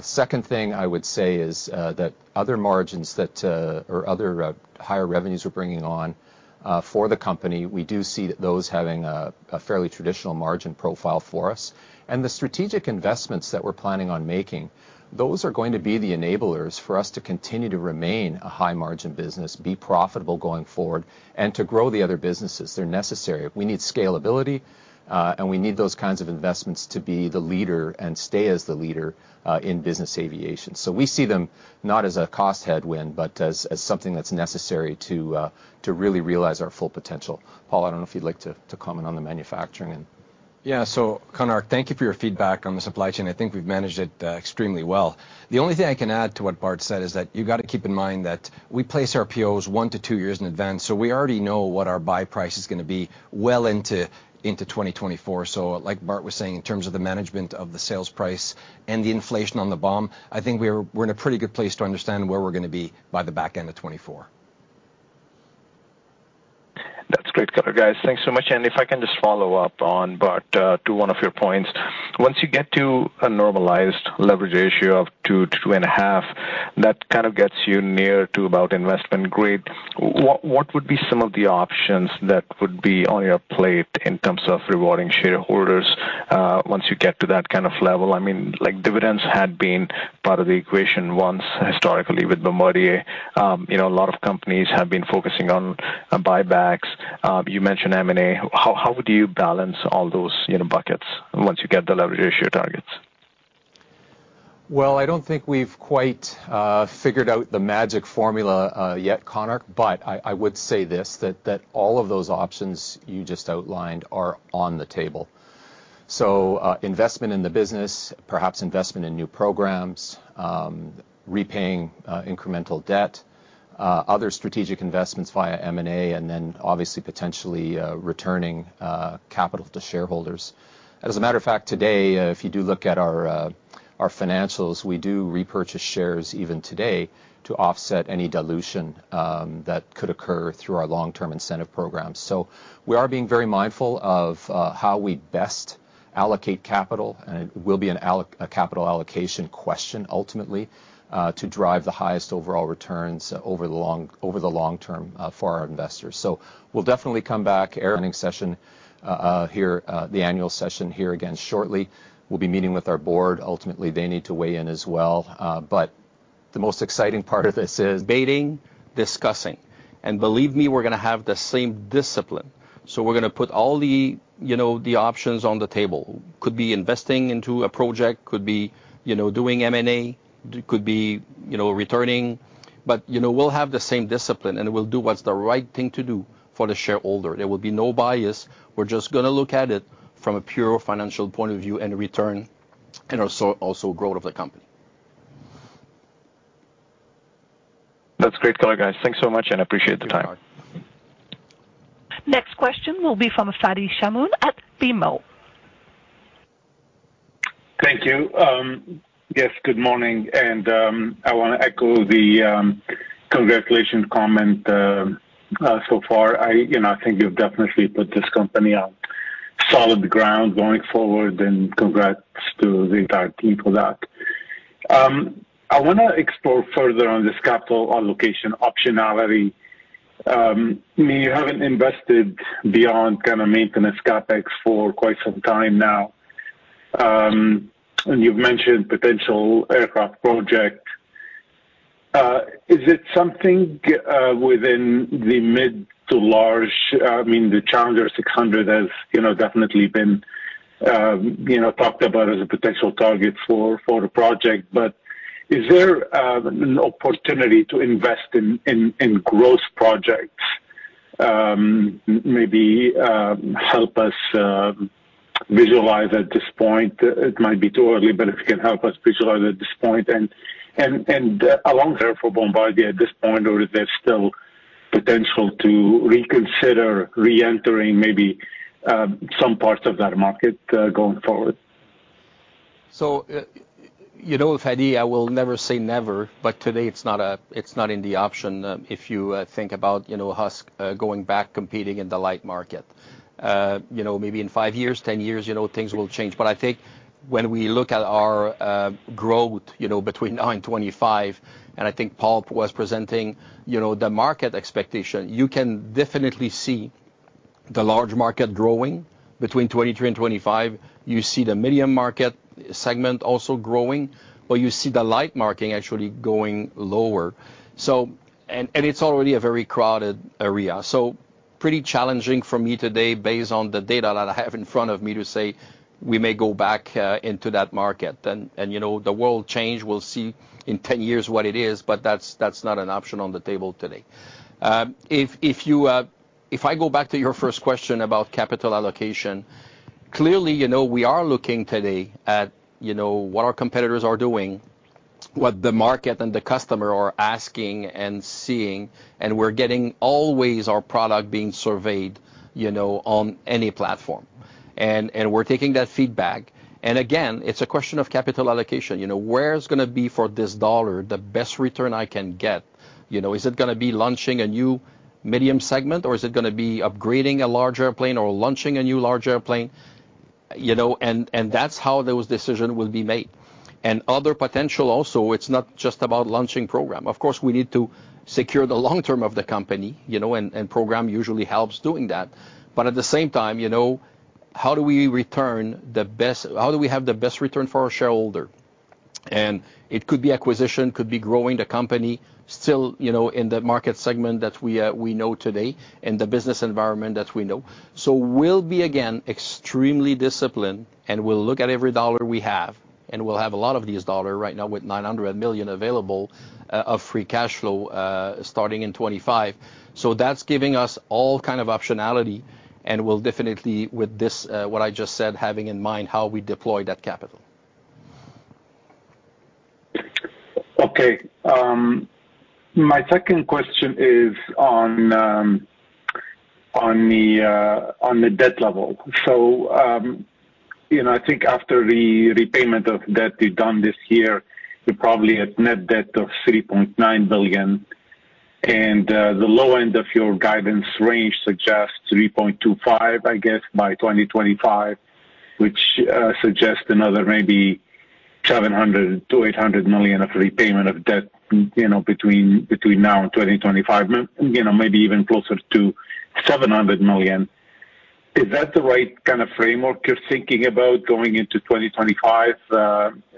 Second thing I would say is that other margins that, or other, higher revenues we're bringing on for the company, we do see those having a fairly traditional margin profile for us. The strategic investments that we're planning on making, those are going to be the enablers for us to continue to remain a high margin business, be profitable going forward, and to grow the other businesses. They're necessary. We need scalability, and we need those kinds of investments to be the leader and stay as the leader in business aviation. We see them not as a cost headwind, but as something that's necessary to really realize our full potential. Paul, I don't know if you'd like to comment on the manufacturing and— Yeah. Konark, thank you for your feedback on the supply chain. I think we've managed it extremely well. The only thing I can add to what Bart said is that you gotta keep in mind that we place our POs one to two years in advance, so we already know what our buy price is gonna be well into 2024. Like Bart was saying, in terms of the management of the sales price and the inflation on the BOM, I think we're in a pretty good place to understand where we're gonna be by the back end of 2024. That's great color, guys. Thanks so much. If I can just follow up on Bart, to one of your points. Once you get to a normalized leverage ratio of 2-2.5, that kind of gets you near to about investment grade. What would be some of the options that would be on your plate in terms of rewarding shareholders, once you get to that kind of level? I mean, like, dividends had been part of the equation once historically with Bombardier. You know, a lot of companies have been focusing on buybacks. You mentioned M&A. How would you balance all those, you know, buckets once you get the leverage ratio targets? Well, I don't think we've quite figured out the magic formula yet, Konark. I would say this, that all of those options you just outlined are on the table. Investment in the business, perhaps investment in new programs, repaying incremental debt, other strategic investments via M&A, and then obviously potentially returning capital to shareholders. As a matter of fact, today, if you do look at our financials, we do repurchase shares even today to offset any dilution that could occur through our long-term incentive programs. We are being very mindful of how we best allocate capital, and it will be a capital allocation question ultimately to drive the highest overall returns over the long term for our investors. We'll definitely come back earnings session here, the annual session here again shortly. We'll be meeting with our board. Ultimately, they need to weigh in as well. The most exciting part of this. Debating, discussing, and believe me, we're gonna have the same discipline. We're gonna put all the, you know, the options on the table. Could be investing into a project, could be, you know, doing M&A, could be, you know, returning. You know, we'll have the same discipline, and we'll do what's the right thing to do for the shareholder. There will be no bias. We're just gonna look at it from a pure financial point of view and return and also growth of the company. That's great color, guys. Thanks so much, and I appreciate the time. Next question will be from Fadi Chamoun at BMO. Thank you. Yes, good morning, I wanna echo the congratulations comment so far. I, you know, think you've definitely put this company on solid ground going forward, and congrats to the entire team for that. I want to explore further on this capital allocation optionality. I mean, you haven't invested beyond kind of maintenance CapEx for quite some time now, and you've mentioned potential aircraft project. Is it something within the mid to large, I mean the Challenger 600 has, you know, definitely been, you know, talked about as a potential target for the project. Is there an opportunity to invest in growth projects, maybe help us visualize at this point? It might be too early, but if you can help us visualize at this point and along there for Bombardier at this point, or is there still potential to reconsider reentering maybe, some parts of that market, going forward? You know, Fadi, I will never say never, but today it's not in the option, if you think about, you know, us going back competing in the light market. You know, maybe in five years, 10 years, you know, things will change. I think when we look at our growth, you know, between now and 2025, and I think Paul was presenting, you know, the market expectation, you can definitely see the large market growing between 2023 and 2025. You see the medium market segment also growing, but you see the light marketing actually going lower. It's already a very crowded area. Pretty challenging for me today based on the data that I have in front of me to say we may go back into that market. You know, the world change, we'll see in 10 years what it is, but that's not an option on the table today. If I go back to your first question about capital allocation, clearly, you know, we are looking today at, you know, what our competitors are doing, what the market and the customer are asking and seeing, and we're getting always our product being surveyed, you know, on any platform. We're taking that feedback. Again, it's a question of capital allocation. You know, where's gonna be for this dollar, the best return I can get? You know, is it gonna be launching a new medium segment, or is it gonna be upgrading a large airplane or launching a new large airplane? You know, that's how those decision will be made. Other potential also, it's not just about launching program. Of course, we need to secure the long term of the company, you know, and program usually helps doing that. At the same time, you know, how do we have the best return for our shareholder? It could be acquisition, could be growing the company still, you know, in the market segment that we know today and the business environment that we know. We'll be, again, extremely disciplined, and we'll look at every dollar we have, and we'll have a lot of these dollar right now with $900 million available of free cash flow, starting in 2025. That's giving us all kind of optionality, and we'll definitely, with this, what I just said, having in mind how we deploy that capital. My second question is on the debt level. You know, I think after the repayment of debt you've done this year, you're probably at net debt of $3.9 billion. The low end of your guidance range suggests $3.25 billion, I guess, by 2025, which suggests another maybe $700 million-$800 million of repayment of debt, you know, between now and 2025. You know, maybe even closer to $700 million. Is that the right kind of framework you're thinking about going into 2025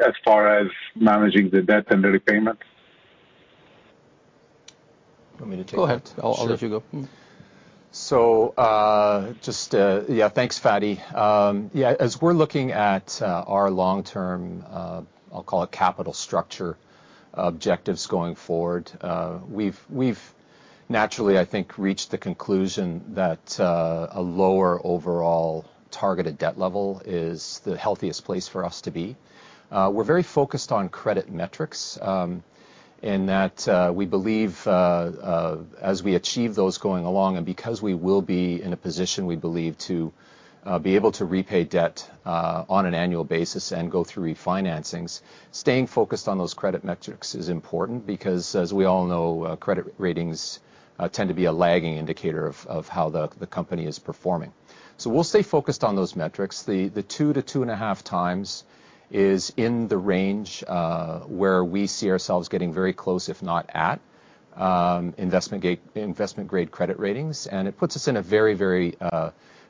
as far as managing the debt and the repayment? You want me to take that? Go ahead. I'll let you go. Sure. Just, yeah, thanks, Fadi. Yeah, as we're looking at our long-term, I'll call it capital structure objectives going forward, we've naturally, I think, reached the conclusion that a lower overall targeted debt level is the healthiest place for us to be. We're very focused on credit metrics, in that we believe as we achieve those going along, and because we will be in a position we believe to be able to repay debt on an annual basis and go through refinancings, staying focused on those credit metrics is important because as we all know, credit ratings tend to be a lagging indicator of how the company is performing. We'll stay focused on those metrics. The 2x to 2.5x is in the range where we see ourselves getting very close, if not at, investment grade credit ratings. It puts us in a very, very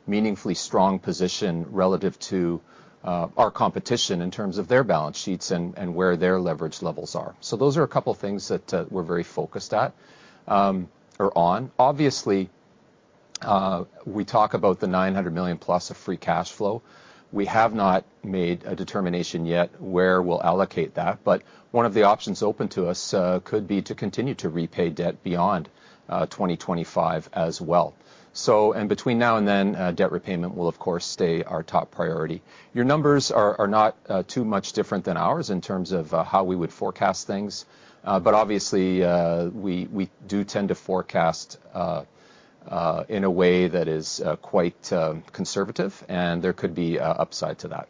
meaningfully strong position relative to our competition in terms of their balance sheets and where their leverage levels are. Those are a couple things that we're very focused at, or on. Obviously, we talk about the $900 million+ of free cash flow. We have not made a determination yet where we'll allocate that, but one of the options open to us could be to continue to repay debt beyond 2025 as well. Between now and then, debt repayment will of course stay our top priority. Your numbers are not too much different than ours in terms of how we would forecast things. Obviously, we do tend to forecast in a way that is quite conservative, and there could be upside to that.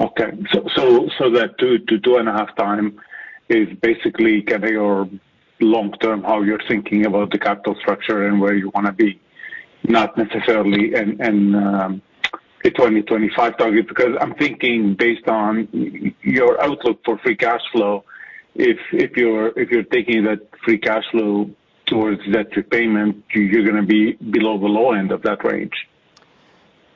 Okay. That 2x to 2.5x is basically kind of your long term, how you're thinking about the capital structure and where you wanna be, not necessarily in 2025 target. I'm thinking based on your outlook for free cash flow, if you're taking that free cash flow towards debt repayment, you're gonna be below the low end of that range.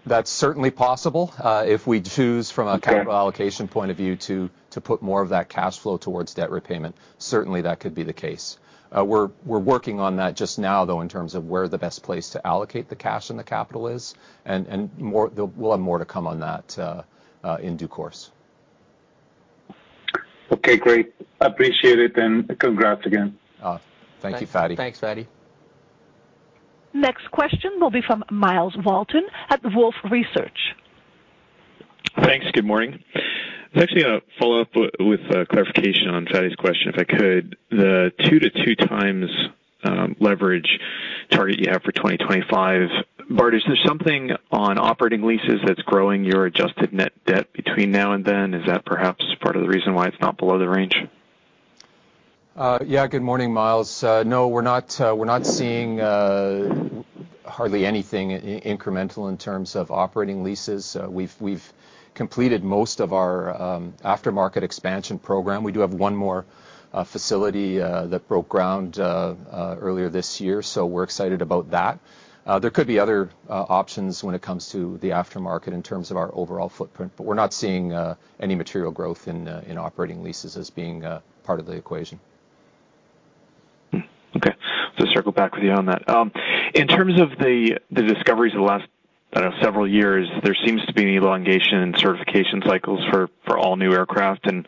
That's certainly possible. If we choose from a capital allocation point of view to put more of that cash flow towards debt repayment, certainly that could be the case. We're, we're working on that just now, though, in terms of where the best place to allocate the cash and the capital is. More, we'll have more to come on that in due course. Okay, great. Appreciate it, and congrats again. Thank you, Fadi. Thanks, Fadi. Next question will be from Myles Walton at Wolfe Research. Thanks. Good morning. I was actually gonna follow up with clarification on Fadi's question, if I could. The 2—2x leverage target you have for 2025. Bart, is there something on operating leases that's growing your adjusted net debt between now and then? Is that perhaps part of the reason why it's not below the range? Yeah, good morning, Myles. No, we're not seeing hardly anything incremental in terms of operating leases. We've completed most of our aftermarket expansion program. We do have one more facility that broke ground earlier this year, so we're excited about that. There could be other options when it comes to the aftermarket in terms of our overall footprint, but we're not seeing any material growth in operating leases as being part of the equation. Okay. Just circle back with you on that. In terms of the discoveries of the last, I don't know, several years, there seems to be an elongation in certification cycles for all new aircraft, and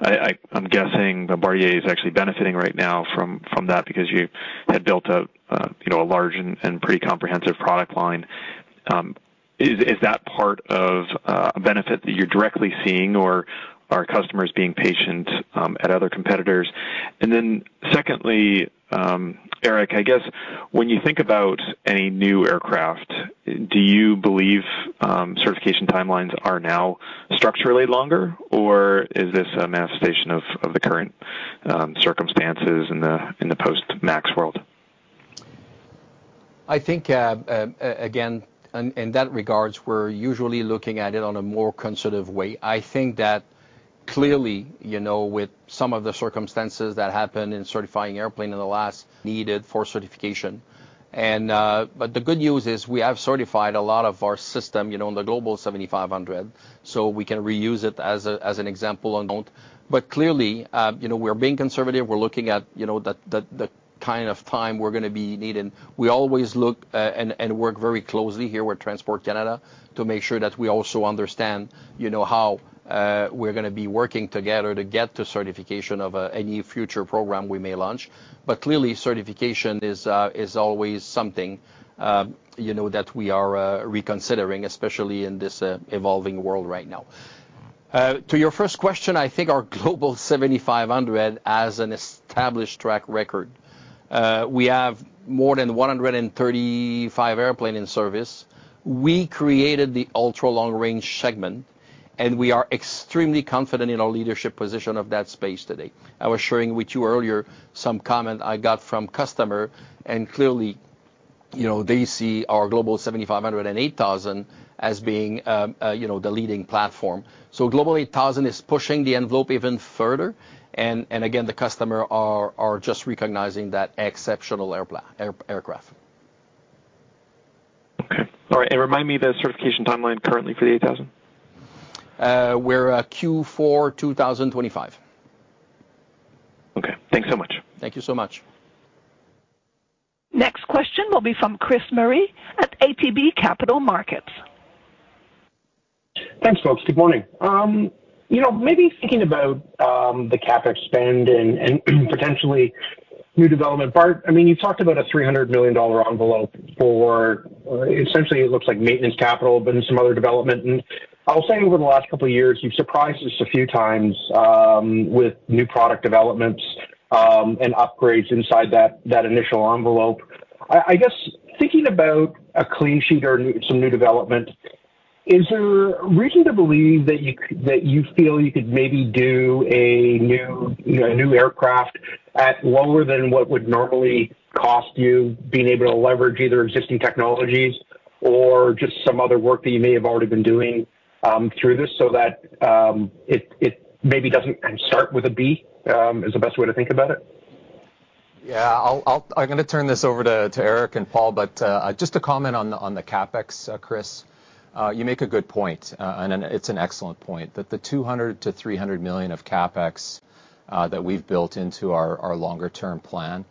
I'm guessing that Bombardier is actually benefiting right now from that because you had built out, you know, a large and pretty comprehensive product line. Is that part of a benefit that you're directly seeing, or are customers being patient at other competitors? Secondly, Éric, I guess when you think about any new aircraft, do you believe certification timelines are now structurally longer, or is this a manifestation of the current circumstances in the post-MAX world? I think again, in that regards, we're usually looking at it on a more conservative way. I think that clearly, you know, with some of the circumstances that happened in certifying airplane in the last needed for certification. The good news is we have certified a lot of our system, you know, in the Global 7500, so we can reuse it as an example on board. Clearly, you know, we're being conservative. We're looking at, you know, the kind of time we're gonna be needing. We always look and work very closely here with Transport Canada to make sure that we also understand, you know, how we're gonna be working together to get to certification of any future program we may launch. Clearly, certification is always something, you know, that we are reconsidering, especially in this evolving world right now. To your first question, I think our Global 7500 has an established track record. We have more than 135 airplane in service. We created the ultra long range segment, and we are extremely confident in our leadership position of that space today. I was sharing with you earlier some comment I got from customer, and clearly, you know, they see our Global 7500 and 8000 as being, you know, the leading platform. Global 8000 is pushing the envelope even further, and again, the customer are just recognizing that exceptional aircraft. Okay. All right, remind me the certification timeline currently for the 8000? We're Q4 2025. Okay. Thanks so much. Thank you so much. Next question will be from Chris Murray at ATB Capital Markets. Thanks, folks. Good morning. you know, maybe thinking about the CapEx spend and potentially new development. Bart, I mean, you talked about a $300 million envelope for essentially it looks like maintenance capital, but in some other development. I'll say over the last couple of years, you've surprised us a few times, with new product developments and upgrades inside that initial envelope. I guess thinking about a clean sheet or some new development, is there reason to believe that you feel you could maybe do a new, you know, a new aircraft at lower than what would normally cost you being able to leverage either existing technologies or just some other work that you may have already been doing through this so that it maybe doesn't start with a B, is the best way to think about it? Yeah. I'm gonna turn this over to Éric and Paul. Just to comment on the CapEx, Chris, you make a good point, and it's an excellent point that the $200 million-$300 million of CapEx that we've built into our longer term plan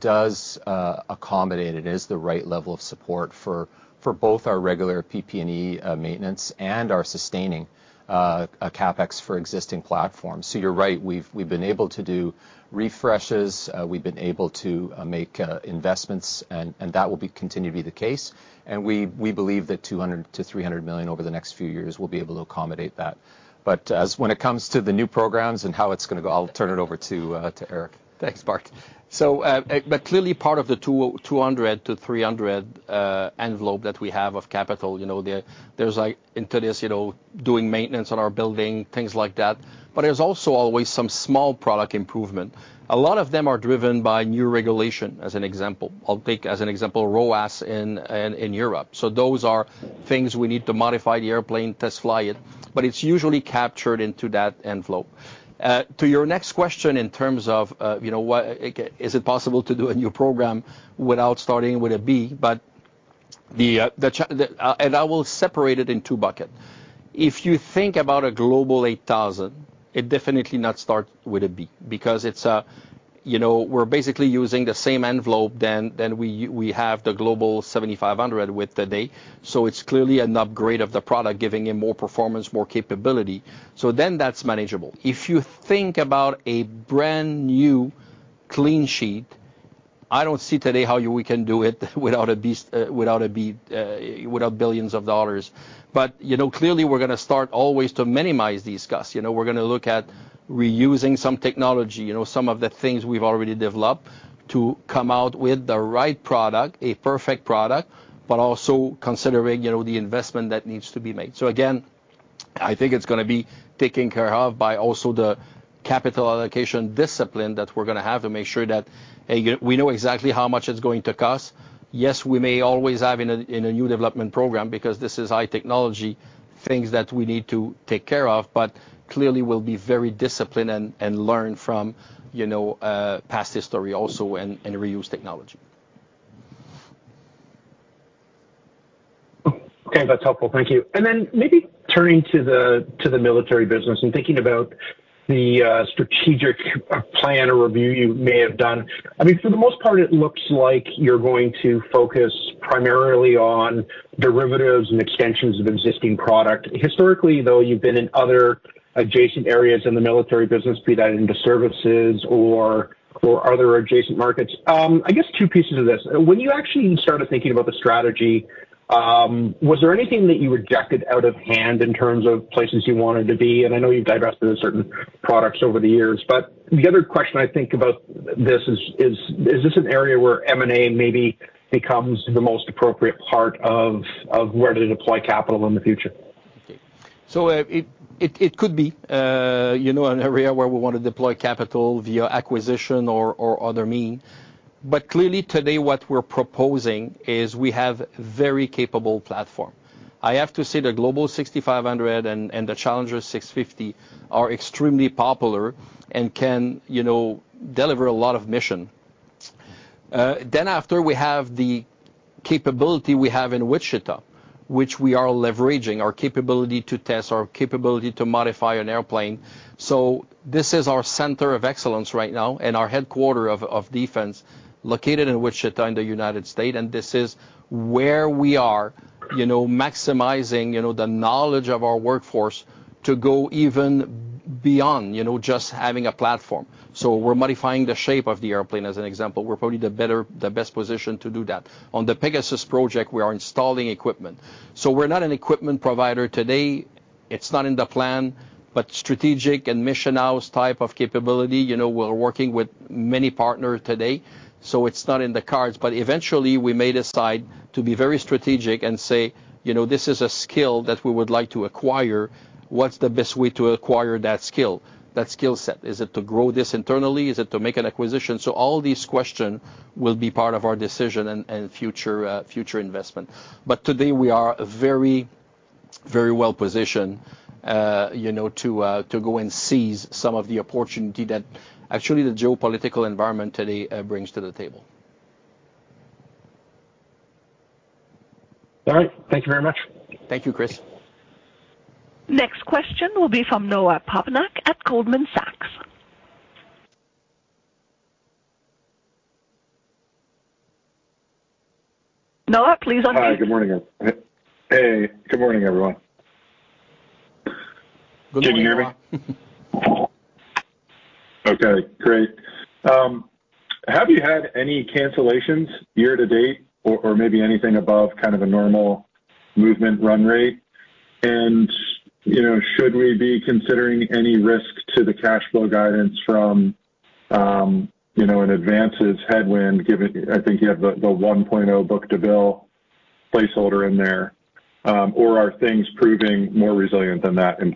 does accommodate and is the right level of support for both our regular PP&E maintenance and our sustaining CapEx for existing platforms. You're right. We've been able to do refreshes, we've been able to make investments and that will be continue to be the case. We believe that $200 million-$300 million over the next few years will be able to accommodate that. As when it comes to the new programs and how it's gonna go, I'll turn it over to Éric. Thanks, Bart. But clearly part of the $200-$300 envelope that we have of capital, you know, there's like into this, you know, doing maintenance on our building, things like that, but there's also always some small product improvement. A lot of them are driven by new regulation, as an example. I'll take as an example ROAAS in, in Europe. Those are things we need to modify the airplane, test fly it, but it's usually captured into that envelope. To your next question in terms of, you know, is it possible to do a new program without starting with a B? I will separate it in twobucket. If you think about a Global 8000, it definitely not start with a B because it's, you know, we're basically using the same envelope than we have the Global 7500 with today, so it's clearly an upgrade of the product, giving it more performance, more capability. That's manageable. If you think about a brand-new clean sheet, I don't see today how we can do it without $ billions. You know, clearly we're gonna start always to minimize these costs. You know, we're gonna look at reusing some technology, you know, some of the things we've already developed to come out with the right product, a perfect product, but also considering, you know, the investment that needs to be made. Again, I think it's gonna be taken care of by also the capital allocation discipline that we're gonna have to make sure that, again, we know exactly how much it's going to cost. Yes, we may always have in a, in a new development program because this is high technology things that we need to take care of, but clearly we'll be very disciplined and learn from, you know, past history also and reuse technology. Okay, that's helpful. Thank you. Maybe turning to the, to the military business and thinking about the strategic plan or review you may have done. I mean, for the most part, it looks like you're going to focus primarily on derivatives and extensions of existing product. Historically, though, you've been in other adjacent areas in the military business, be that into services or other adjacent markets. I guess two pieces of this. When you actually started thinking about the strategy, was there anything that you rejected out of hand in terms of places you wanted to be? I know you've divested in certain products over the years. The other question I think about this is this an area where M&A maybe becomes the most appropriate part of where to deploy capital in the future? It could be, you know, an area where we wanna deploy capital via acquisition or other mean. Clearly, today what we're proposing is we have very capable platform. I have to say the Global 6500 and the Challenger 650 are extremely popular and can, you know, deliver a lot of mission. After we have the capability we have in Wichita, which we are leveraging our capability to test, our capability to modify an airplane. This is our center of excellence right now and our headquarter of defense located in Wichita in the United States, this is where we are, you know, maximizing, you know, the knowledge of our workforce to go even beyond, you know, just having a platform. We're modifying the shape of the airplane, as an example. We're probably the best position to do that. On the PEGASUS project, we are installing equipment. We're not an equipment provider today. It's not in the plan. Strategic and missionized type of capability, you know, we're working with many partners today, so it's not in the cards. Eventually, we may decide to be very strategic and say, you know, "This is a skill that we would like to acquire. What's the best way to acquire that skill, that skill set? Is it to grow this internally? Is it to make an acquisition?" All these question will be part of our decision and future investment. Today we are very well-positioned, you know, to go and seize some of the opportunity that actually the geopolitical environment today brings to the table. All right. Thank you very much. Thank you, Chris. Next question will be from Noah Poponak at Goldman Sachs. Noah, please unmute. Hi, good morning, guys. Hey. Good morning, everyone. Good morning, Noah. Can you hear me? Okay, great. Have you had any cancellations year to date or maybe anything above kind of a normal movement run rate? You know, should we be considering any risk to the cash flow guidance from, you know, in advances headwind, given I think you have the 1.0 book-to-bill placeholder in there, or are things proving more resilient than that in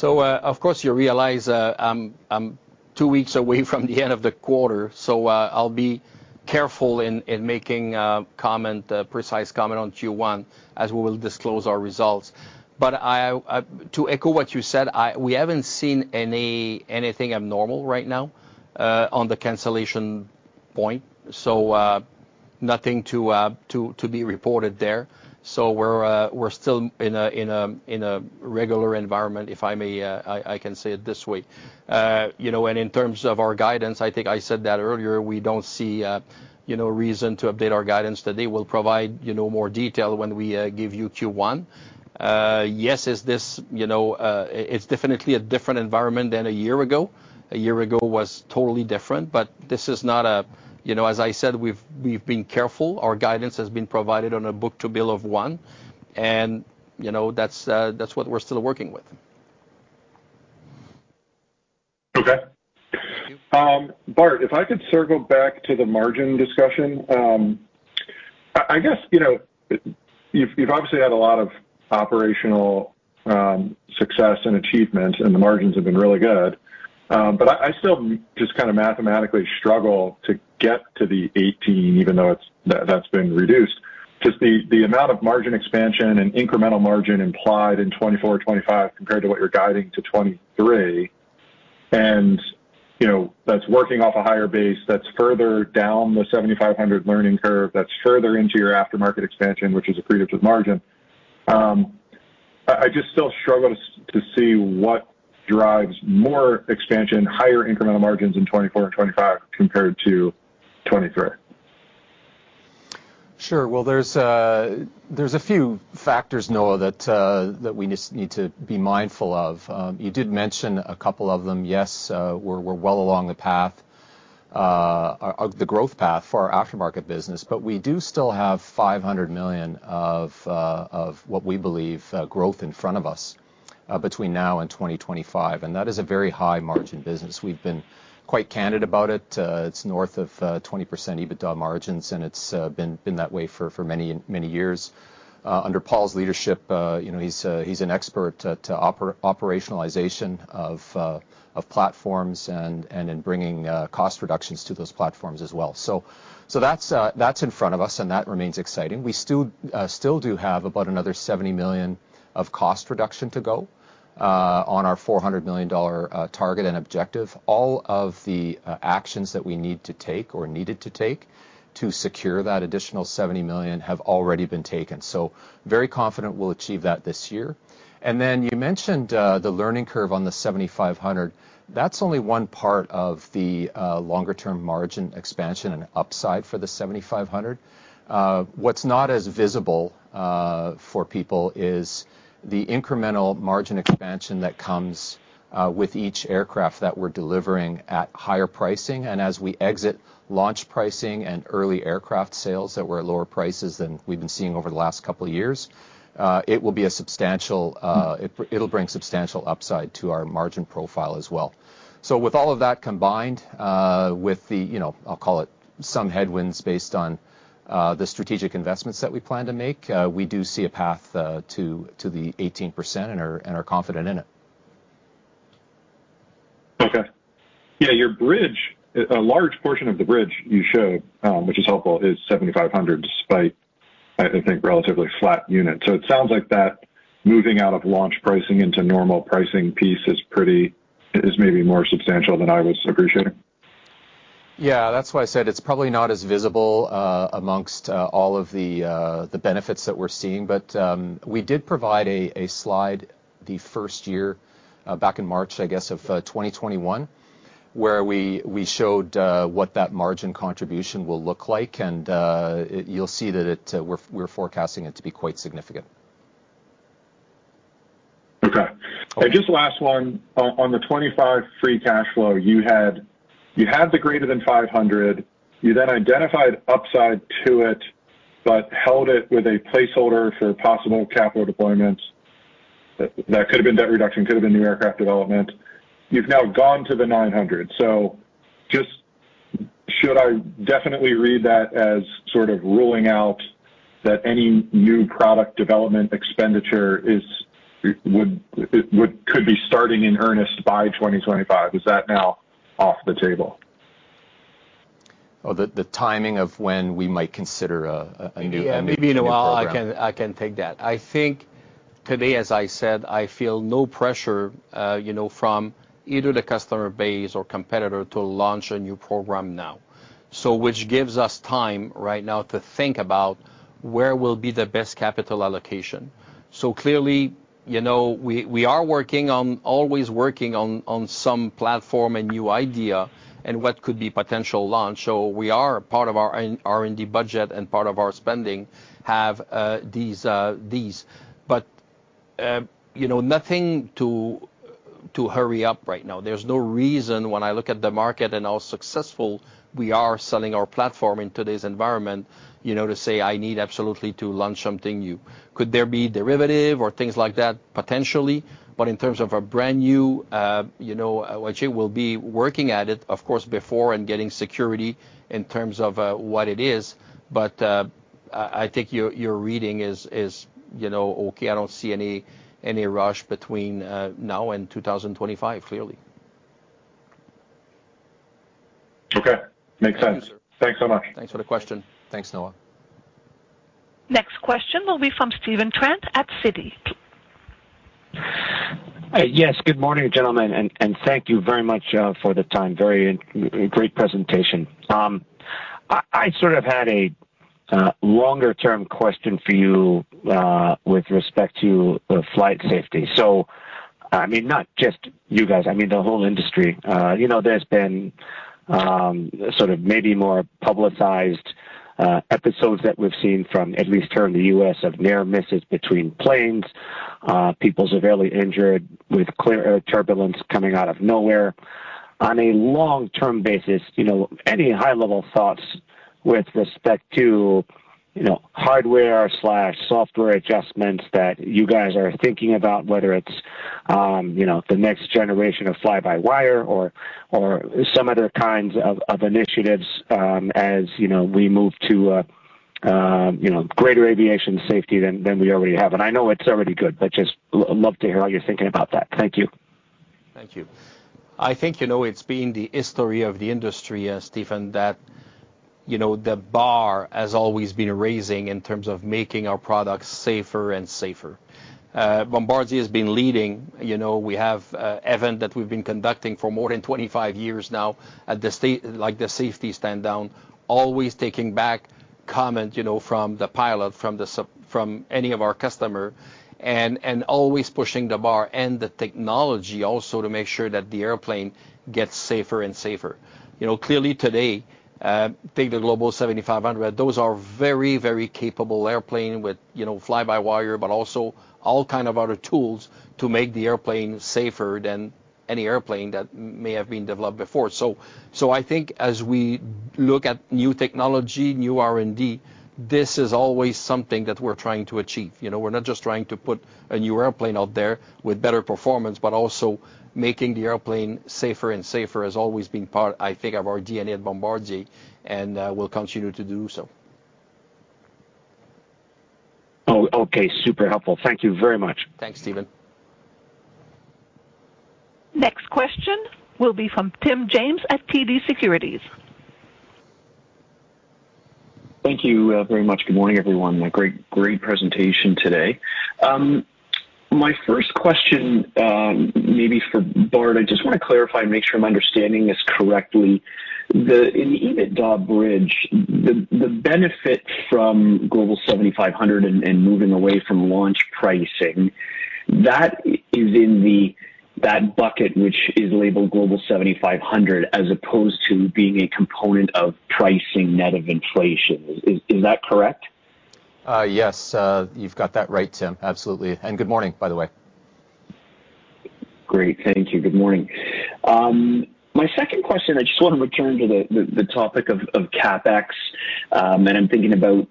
plus? Of course, you realize, two weeks away from the end of the quarter, I'll be careful in making comment, a precise comment on Q1 as we will disclose our results. To echo what you said, we haven't seen anything abnormal right now, on the cancellation point, nothing to be reported there. We're still in a regular environment, if I may, I can say it this way. You know, in terms of our guidance, I think I said that earlier, we don't see, you know, reason to update our guidance. Today we'll provide, you know, more detail when we give you Q1. Yes, is this, you know, it's definitely a different environment than a year ago. A year ago was totally different, this is not a, you know, as I said, we've been careful. Our guidance has been provided on a book to bill of one, you know, that's what we're still working with. Okay. Bart, if I could circle back to the margin discussion. I guess, you know, you've obviously had a lot of operational success and achievement, and the margins have been really good. But I still just kind of mathematically struggle to get to the 18 even though it's been reduced. Just the amount of margin expansion and incremental margin implied in 2024, 2025 compared to what you're guiding to 2023. You know, that's working off a higher base, that's further down the Global 7500 learning curve, that's further into your aftermarket expansion, which is accretive to the margin. I just still struggle to see what drives more expansion, higher incremental margins in 2024 and 2025 compared to 2023. Sure. Well, there's a few factors, Noah, that we just need to be mindful of. You did mention a couple of them. Yes, we're well along the path of the growth path for our aftermarket business, but we do still have $500 million of what we believe growth in front of us between now and 2025, and that is a very high margin business. We've been quite candid about it. It's north of 20% EBITDA margins, and it's been that way for many years. Under Paul's leadership, you know, he's an expert to operationalization of platforms and in bringing cost reductions to those platforms as well. That's in front of us, and that remains exciting. We still do have about another $70 million of cost reduction to go on our $400 million target and objective. All of the actions that we need to take or needed to take to secure that additional $70 million have already been taken, so very confident we'll achieve that this year. You mentioned the learning curve on the Global 7500. That's only one part of the longer term margin expansion and upside for the Global 7500. What's not as visible for people is the incremental margin expansion that comes with each aircraft that we're delivering at higher pricing. As we exit launch pricing and early aircraft sales that were at lower prices than we've been seeing over the last couple of years, it will be a substantial. It'll bring substantial upside to our margin profile as well. With all of that combined, with the, you know, I'll call it some headwinds based on the strategic investments that we plan to make, we do see a path to the 18% and are confident in it. Okay. Yeah, your bridge, a large portion of the bridge you showed, which is helpful, is 7,500, despite, I think, relatively flat units. It sounds like that moving out of launch pricing into normal pricing piece is pretty, is maybe more substantial than I was appreciating. Yeah. That's why I said it's probably not as visible, amongst, all of the benefits that we're seeing. We did provide a slide the 1st year, back in March, I guess, of, 2021, where we showed, what that margin contribution will look like. You'll see that it—we're forecasting it to be quite significant. Okay. Okay. Just last one. On the 25 free cash flow, you had the greater than $500 million. You then identified upside to it, but held it with a placeholder for possible capital deployment. That could have been debt reduction, could have been new aircraft development. You've now gone to the $900 million. Just should I definitely read that as sort of ruling out that any new product development expenditure is, would could be starting in earnest by 2025? Is that now off the table? The timing of when we might consider. Yeah. Maybe, Noah, I can take that. I think today, as I said, I feel no pressure, you know, from either the customer base or competitor to launch a new program now. Which gives us time right now to think about where will be the best capital allocation. Clearly, you know, we are working on, always working on some platform and new idea and what could be potential launch. We are part of our R&D budget and part of our spending have these. You know, nothing to hurry up right now. There's no reason when I look at the market and how successful we are selling our platform in today's environment, you know, to say I need absolutely to launch something new. Could there be derivative or things like that? Potentially. In terms of a brand new, you know. While Jay will be working at it, of course, before and getting security in terms of what it is, but, I think your reading is, you know, okay. I don't see any rush between now and 2025, clearly. Okay. Makes sense. Thanks so much. Thanks for the question. Thanks, Noah. Next question will be from Stephen Trent at Citi. Yes. Good morning, gentlemen, and thank you very much for the time. Very great presentation. I sort of had a longer-term question for you with respect to flight safety. I mean, not just you guys, I mean, the whole industry. You know, there's been sort of maybe more publicized episodes that we've seen from, at least here in the U.S., of near misses between planes, people severely injured with clear air turbulence coming out of nowhere. On a long-term basis, you know, any high-level thoughts with respect to, you know, hardware/software adjustments that you guys are thinking about, whether it's, you know, the next generation of fly-by-wire or some other kinds of initiatives, as, you know, we move to you know, greater aviation safety than we already have? I know it's already good, but just love to hear how you're thinking about that. Thank you. Thank you. I think, you know, it's been the history of the industry, Stephen. You know, the bar has always been raising in terms of making our products safer and safer. Bombardier has been leading. You know, we have event that we've been conducting for more than 25 years now like the safety stand-down, always taking back comment, you know, from the pilot, from any of our customer and always pushing the bar and the technology also to make sure that the airplane gets safer and safer. You know, clearly today, take the Global 7500, those are very, very capable airplane with, you know, fly-by-wire, but also all kind of other tools to make the airplane safer than any airplane that may have been developed before. I think as we look at new technology, new R&D, this is always something that we're trying to achieve. You know, we're not just trying to put a new airplane out there with better performance, but also making the airplane safer and safer has always been part, I think, of our DNA at Bombardier, and, we'll continue to do so. Oh, okay. Super helpful. Thank you very much. Thanks, Stephen. Next question will be from Tim James at TD Securities. Thank you very much. Good morning, everyone. A great presentation today. My first question, maybe for Bart, I just wanna clarify and make sure I'm understanding this correctly. In the EBITDA bridge, the benefit from Global 7500 and moving away from launch pricing, that is in the that bucket which is labeled Global 7500 as opposed to being a component of pricing net of inflation. Is that correct? Yes, you've got that right, Tim. Absolutely. good morning, by the way. Great. Thank you. Good morning. My second question, I just wanna return to the topic of CapEx, and I'm thinking about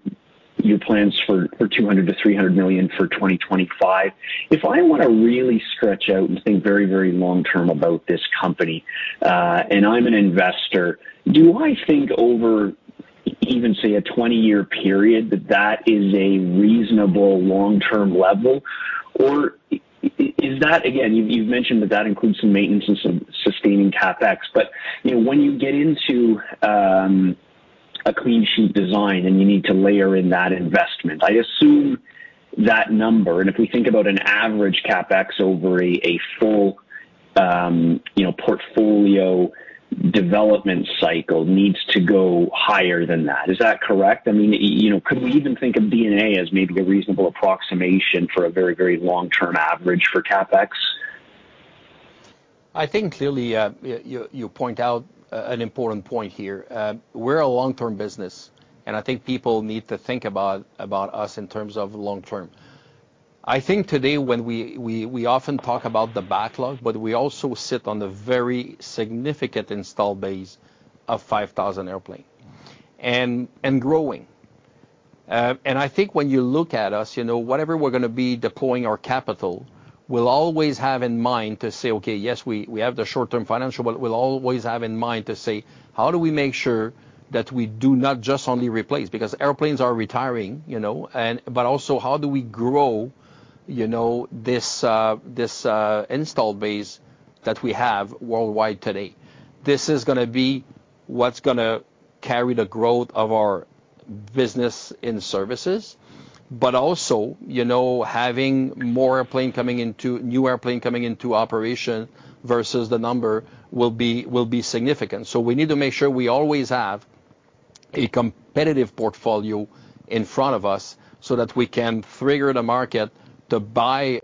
your plans for $200 million-$300 million for 2025. If I wanna really stretch out and think very, very long term about this company, and I'm an investor, do I think over even, say, a 20-year period that that is a reasonable long-term level? Is that, again, you've mentioned that that includes some maintenance and some sustaining CapEx, but, you know, when you get into a clean sheet design and you need to layer in that investment, I assume that number, and if we think about an average CapEx over a full, you know, portfolio development cycle needs to go higher than that. Is that correct? I mean, you know, could we even think of D&A as maybe a reasonable approximation for a very, very long-term average for CapEx? I think clearly, you point out an important point here. We're a long-term business, and I think people need to think about us in terms of long term. I think today when we often talk about the backlog, but we also sit on the very significant install base of 5,000 airplane and growing. I think when you look at us, you know, whatever we're gonna be deploying our capital, we'll always have in mind to say, okay, yes, we have the short-term financial, but we'll always have in mind to say, how do we make sure that we do not just only replace? Airplanes are retiring, you know, and but also how do we grow, you know, this install base that we have worldwide today? This is gonna be what's gonna carry the growth of our business in services. Also, you know, having more airplane new airplane coming into operation versus the number will be significant. We need to make sure we always have a competitive portfolio in front of us so that we can trigger the market to buy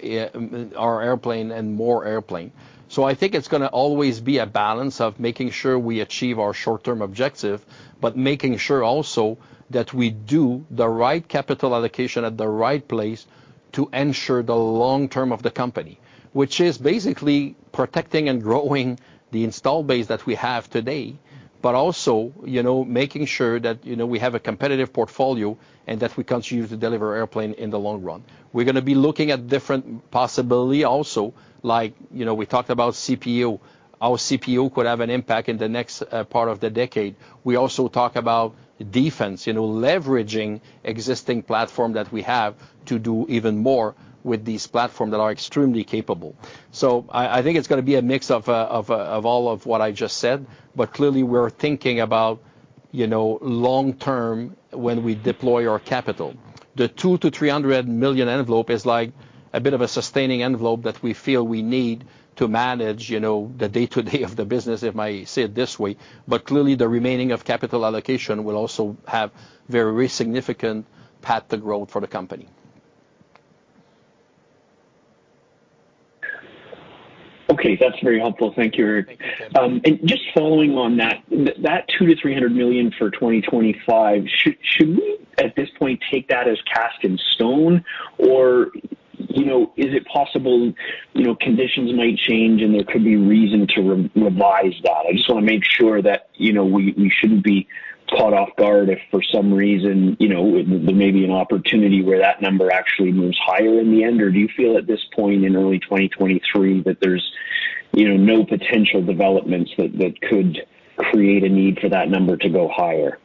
our airplane and more airplane. I think it's gonna always be a balance of making sure we achieve our short-term objective, but making sure also that we do the right capital allocation at the right place to ensure the long term of the company, which is basically protecting and growing the install base that we have today, but also, you know, making sure that, you know, we have a competitive portfolio and that we continue to deliver airplane in the long run. We're gonna be looking at different possibility also, like, you know, we talked about CPO. Our CPO could have an impact in the next part of the decade. We also talk about defense, you know, leveraging existing platform that we have to do even more with these platform that are extremely capable. I think it's gonna be a mix of all of what I just said, but clearly we're thinking about, you know, long term when we deploy our capital. The $200 million-$300 million envelope is, like, a bit of a sustaining envelope that we feel we need to manage, you know, the day-to-day of the business, if I say it this way. Clearly the remaining of capital allocation will also have very significant path to growth for the company. Okay. That's very helpful. Thank you, Éric. Thank you, Tim. Just following on that $200 million-$300 million for 2025, should we at this point take that as cast in stone? Or, you know, is it possible, you know, conditions might change and there could be reason to re-revise that? I just wanna make sure that, you know, we shouldn't be caught off guard if for some reason, you know, there may be an opportunity where that number actually moves higher in the end. Or do you feel at this point in early 2023 that there's, you know, no potential developments that could create a need for that number to go higher?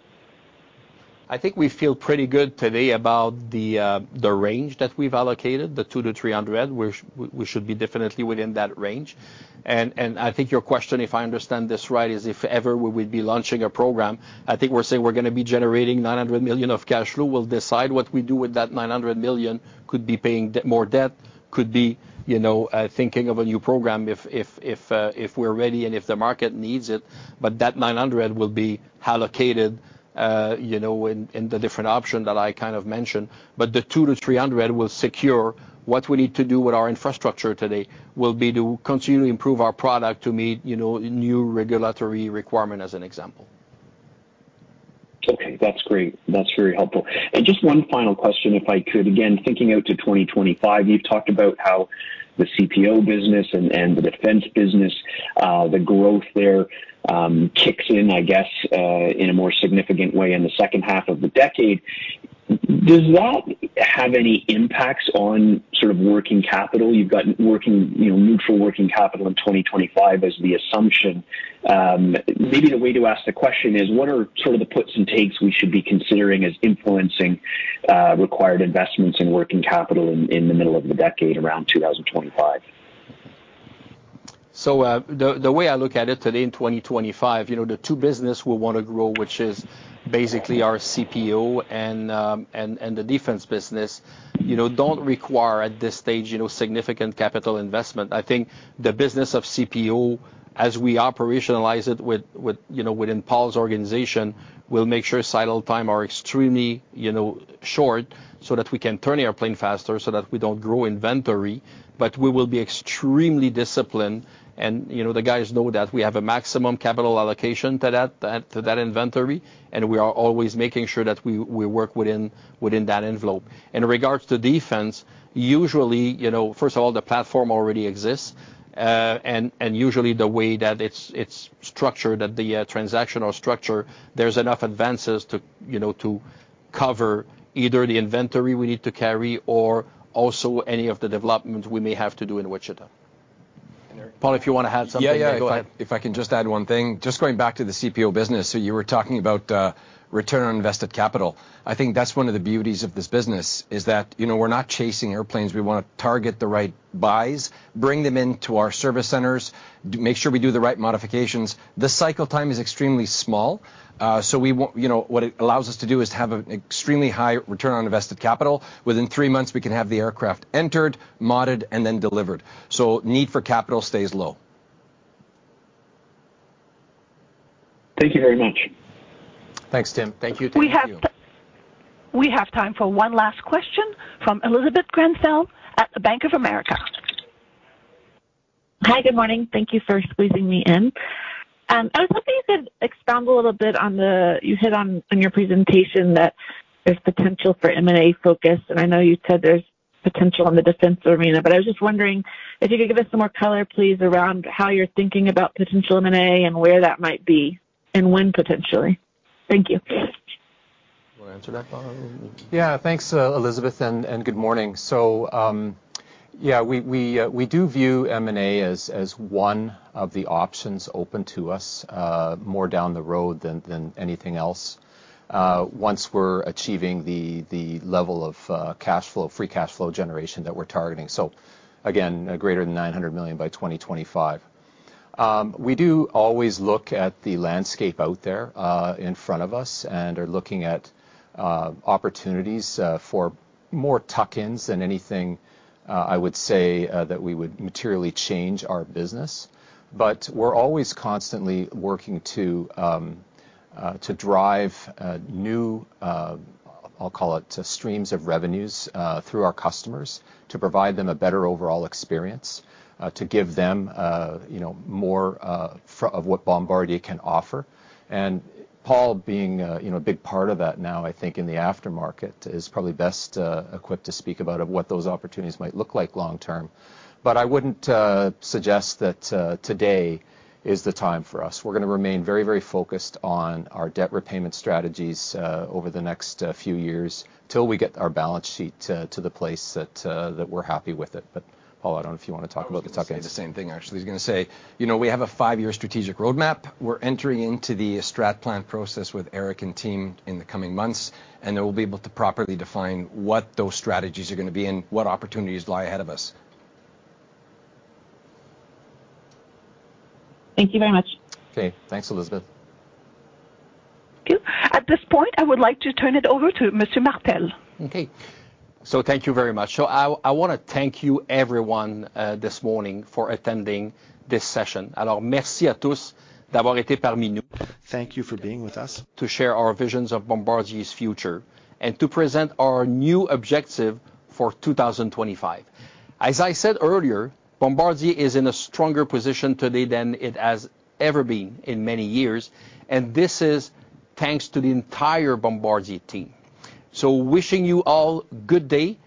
I think we feel pretty good today about the range that we've allocated, the 200-300. We should be definitely within that range. I think your question, if I understand this right, is if ever we would be launching a program, I think we're saying we're gonna be generating $900 million of cash flow. We'll decide what we do with that $900 million. Could be paying more debt, could be, you know, thinking of a new program if we're ready and if the market needs it. That $900 million will be allocated, you know, in the different option that I kind of mentioned. The $200-$300 will secure what we need to do with our infrastructure today, will be to continually improve our product to meet, you know, new regulatory requirement as an example. Okay, that's great. That's very helpful. Just one final question, if I could. Again, thinking out to 2025, you've talked about how the CPO business and the defense business, the growth there, kicks in, I guess, in a more significant way in the second half of the decade. Does that have any impacts on sort of working capital? You've got working, you know, neutral working capital in 2025 as the assumption. Maybe the way to ask the question is what are sort of the puts and takes we should be considering as influencing required investments in working capital in the middle of the decade around 2025? The way I look at it today in 2025, you know, the two business we wanna grow, which is basically our CPO and the defense business, you know, don't require at this stage, you know, significant capital investment. I think the business of CPO as we operationalize it with, you know, within Paul's organization, we'll make sure cycle time are extremely, you know, short, so that we can turn airplane faster so that we don't grow inventory. We will be extremely disciplined and, you know, the guys know that we have a maximum capital allocation to that inventory, and we are always making sure that we work within that envelope. In regards to defense, usually, you know, first of all, the platform already exists. Usually the way that it's structured, that the transactional structure, there's enough advances to, you know, to cover either the inventory we need to carry or also any of the development we may have to do in Wichita. Paul, if you wanna add something? Yeah, yeah. Go ahead. If I can just add one thing. Going back to the CPO business, you were talking about return on invested capital. I think that's one of the beauties of this business, is that, you know, we're not chasing airplanes. We wanna target the right buys, bring them into our service centers, make sure we do the right modifications. The cycle time is extremely small. We you know, what it allows us to do is to have an extremely high return on invested capital. Within three months, we can have the aircraft entered, modded, and then delivered. Need for capital stays low. Thank you very much. Thanks, Tim. Thank you. We have time for one last question from Elizabeth Grenfell at the Bank of America. Hi, good morning. Thank you for squeezing me in. I was hoping you could expand a little bit You hit on your presentation that there's potential for M&A focus, and I know you said there's potential in the defense arena. I was just wondering if you could give us some more color, please, around how you're thinking about potential M&A and where that might be, and when potentially. Thank you. Wanna answer that, Paul? Yeah. Thanks, Elizabeth, and good morning. We do view M&A as one of the options open to us more down the road than anything else once we're achieving the level of cash flow, free cash flow generation that we're targeting. Again, greater than $900 million by 2025. We do always look at the landscape out there in front of us and are looking at opportunities for more tuck-ins than anything I would say that we would materially change our business. We're always constantly working to drive new, I'll call it streams of revenues through our customers to provide them a better overall experience to give them, you know, more of what Bombardier can offer. Paul being, you know, a big part of that now, I think, in the aftermarket is probably best equipped to speak about what those opportunities might look like long term. I wouldn't suggest that today is the time for us. We're gonna remain very, very focused on our debt repayment strategies over the next few years till we get our balance sheet to the place that we're happy with it. Paul, I don't know if you wanna talk about the tuck-ins. I was gonna say the same thing, actually. I was gonna say, you know, we have a five-year strategic roadmap. We're entering into the strat plan process with Éric and team in the coming months, and then we'll be able to properly define what those strategies are gonna be and what opportunities lie ahead of us. Thank you very much. Okay. Thanks, Elizabeth. At this point, I would like to turn it over to Monsieur Martel. Okay. Thank you very much. I wanna thank you everyone this morning for attending this session. Thank you for being with us. To share our visions of Bombardier's future and to present our new objective for 2025. As I said earlier, Bombardier is in a stronger position today than it has ever been in many years, and this is thanks to the entire Bombardier team. Wishing you all good day.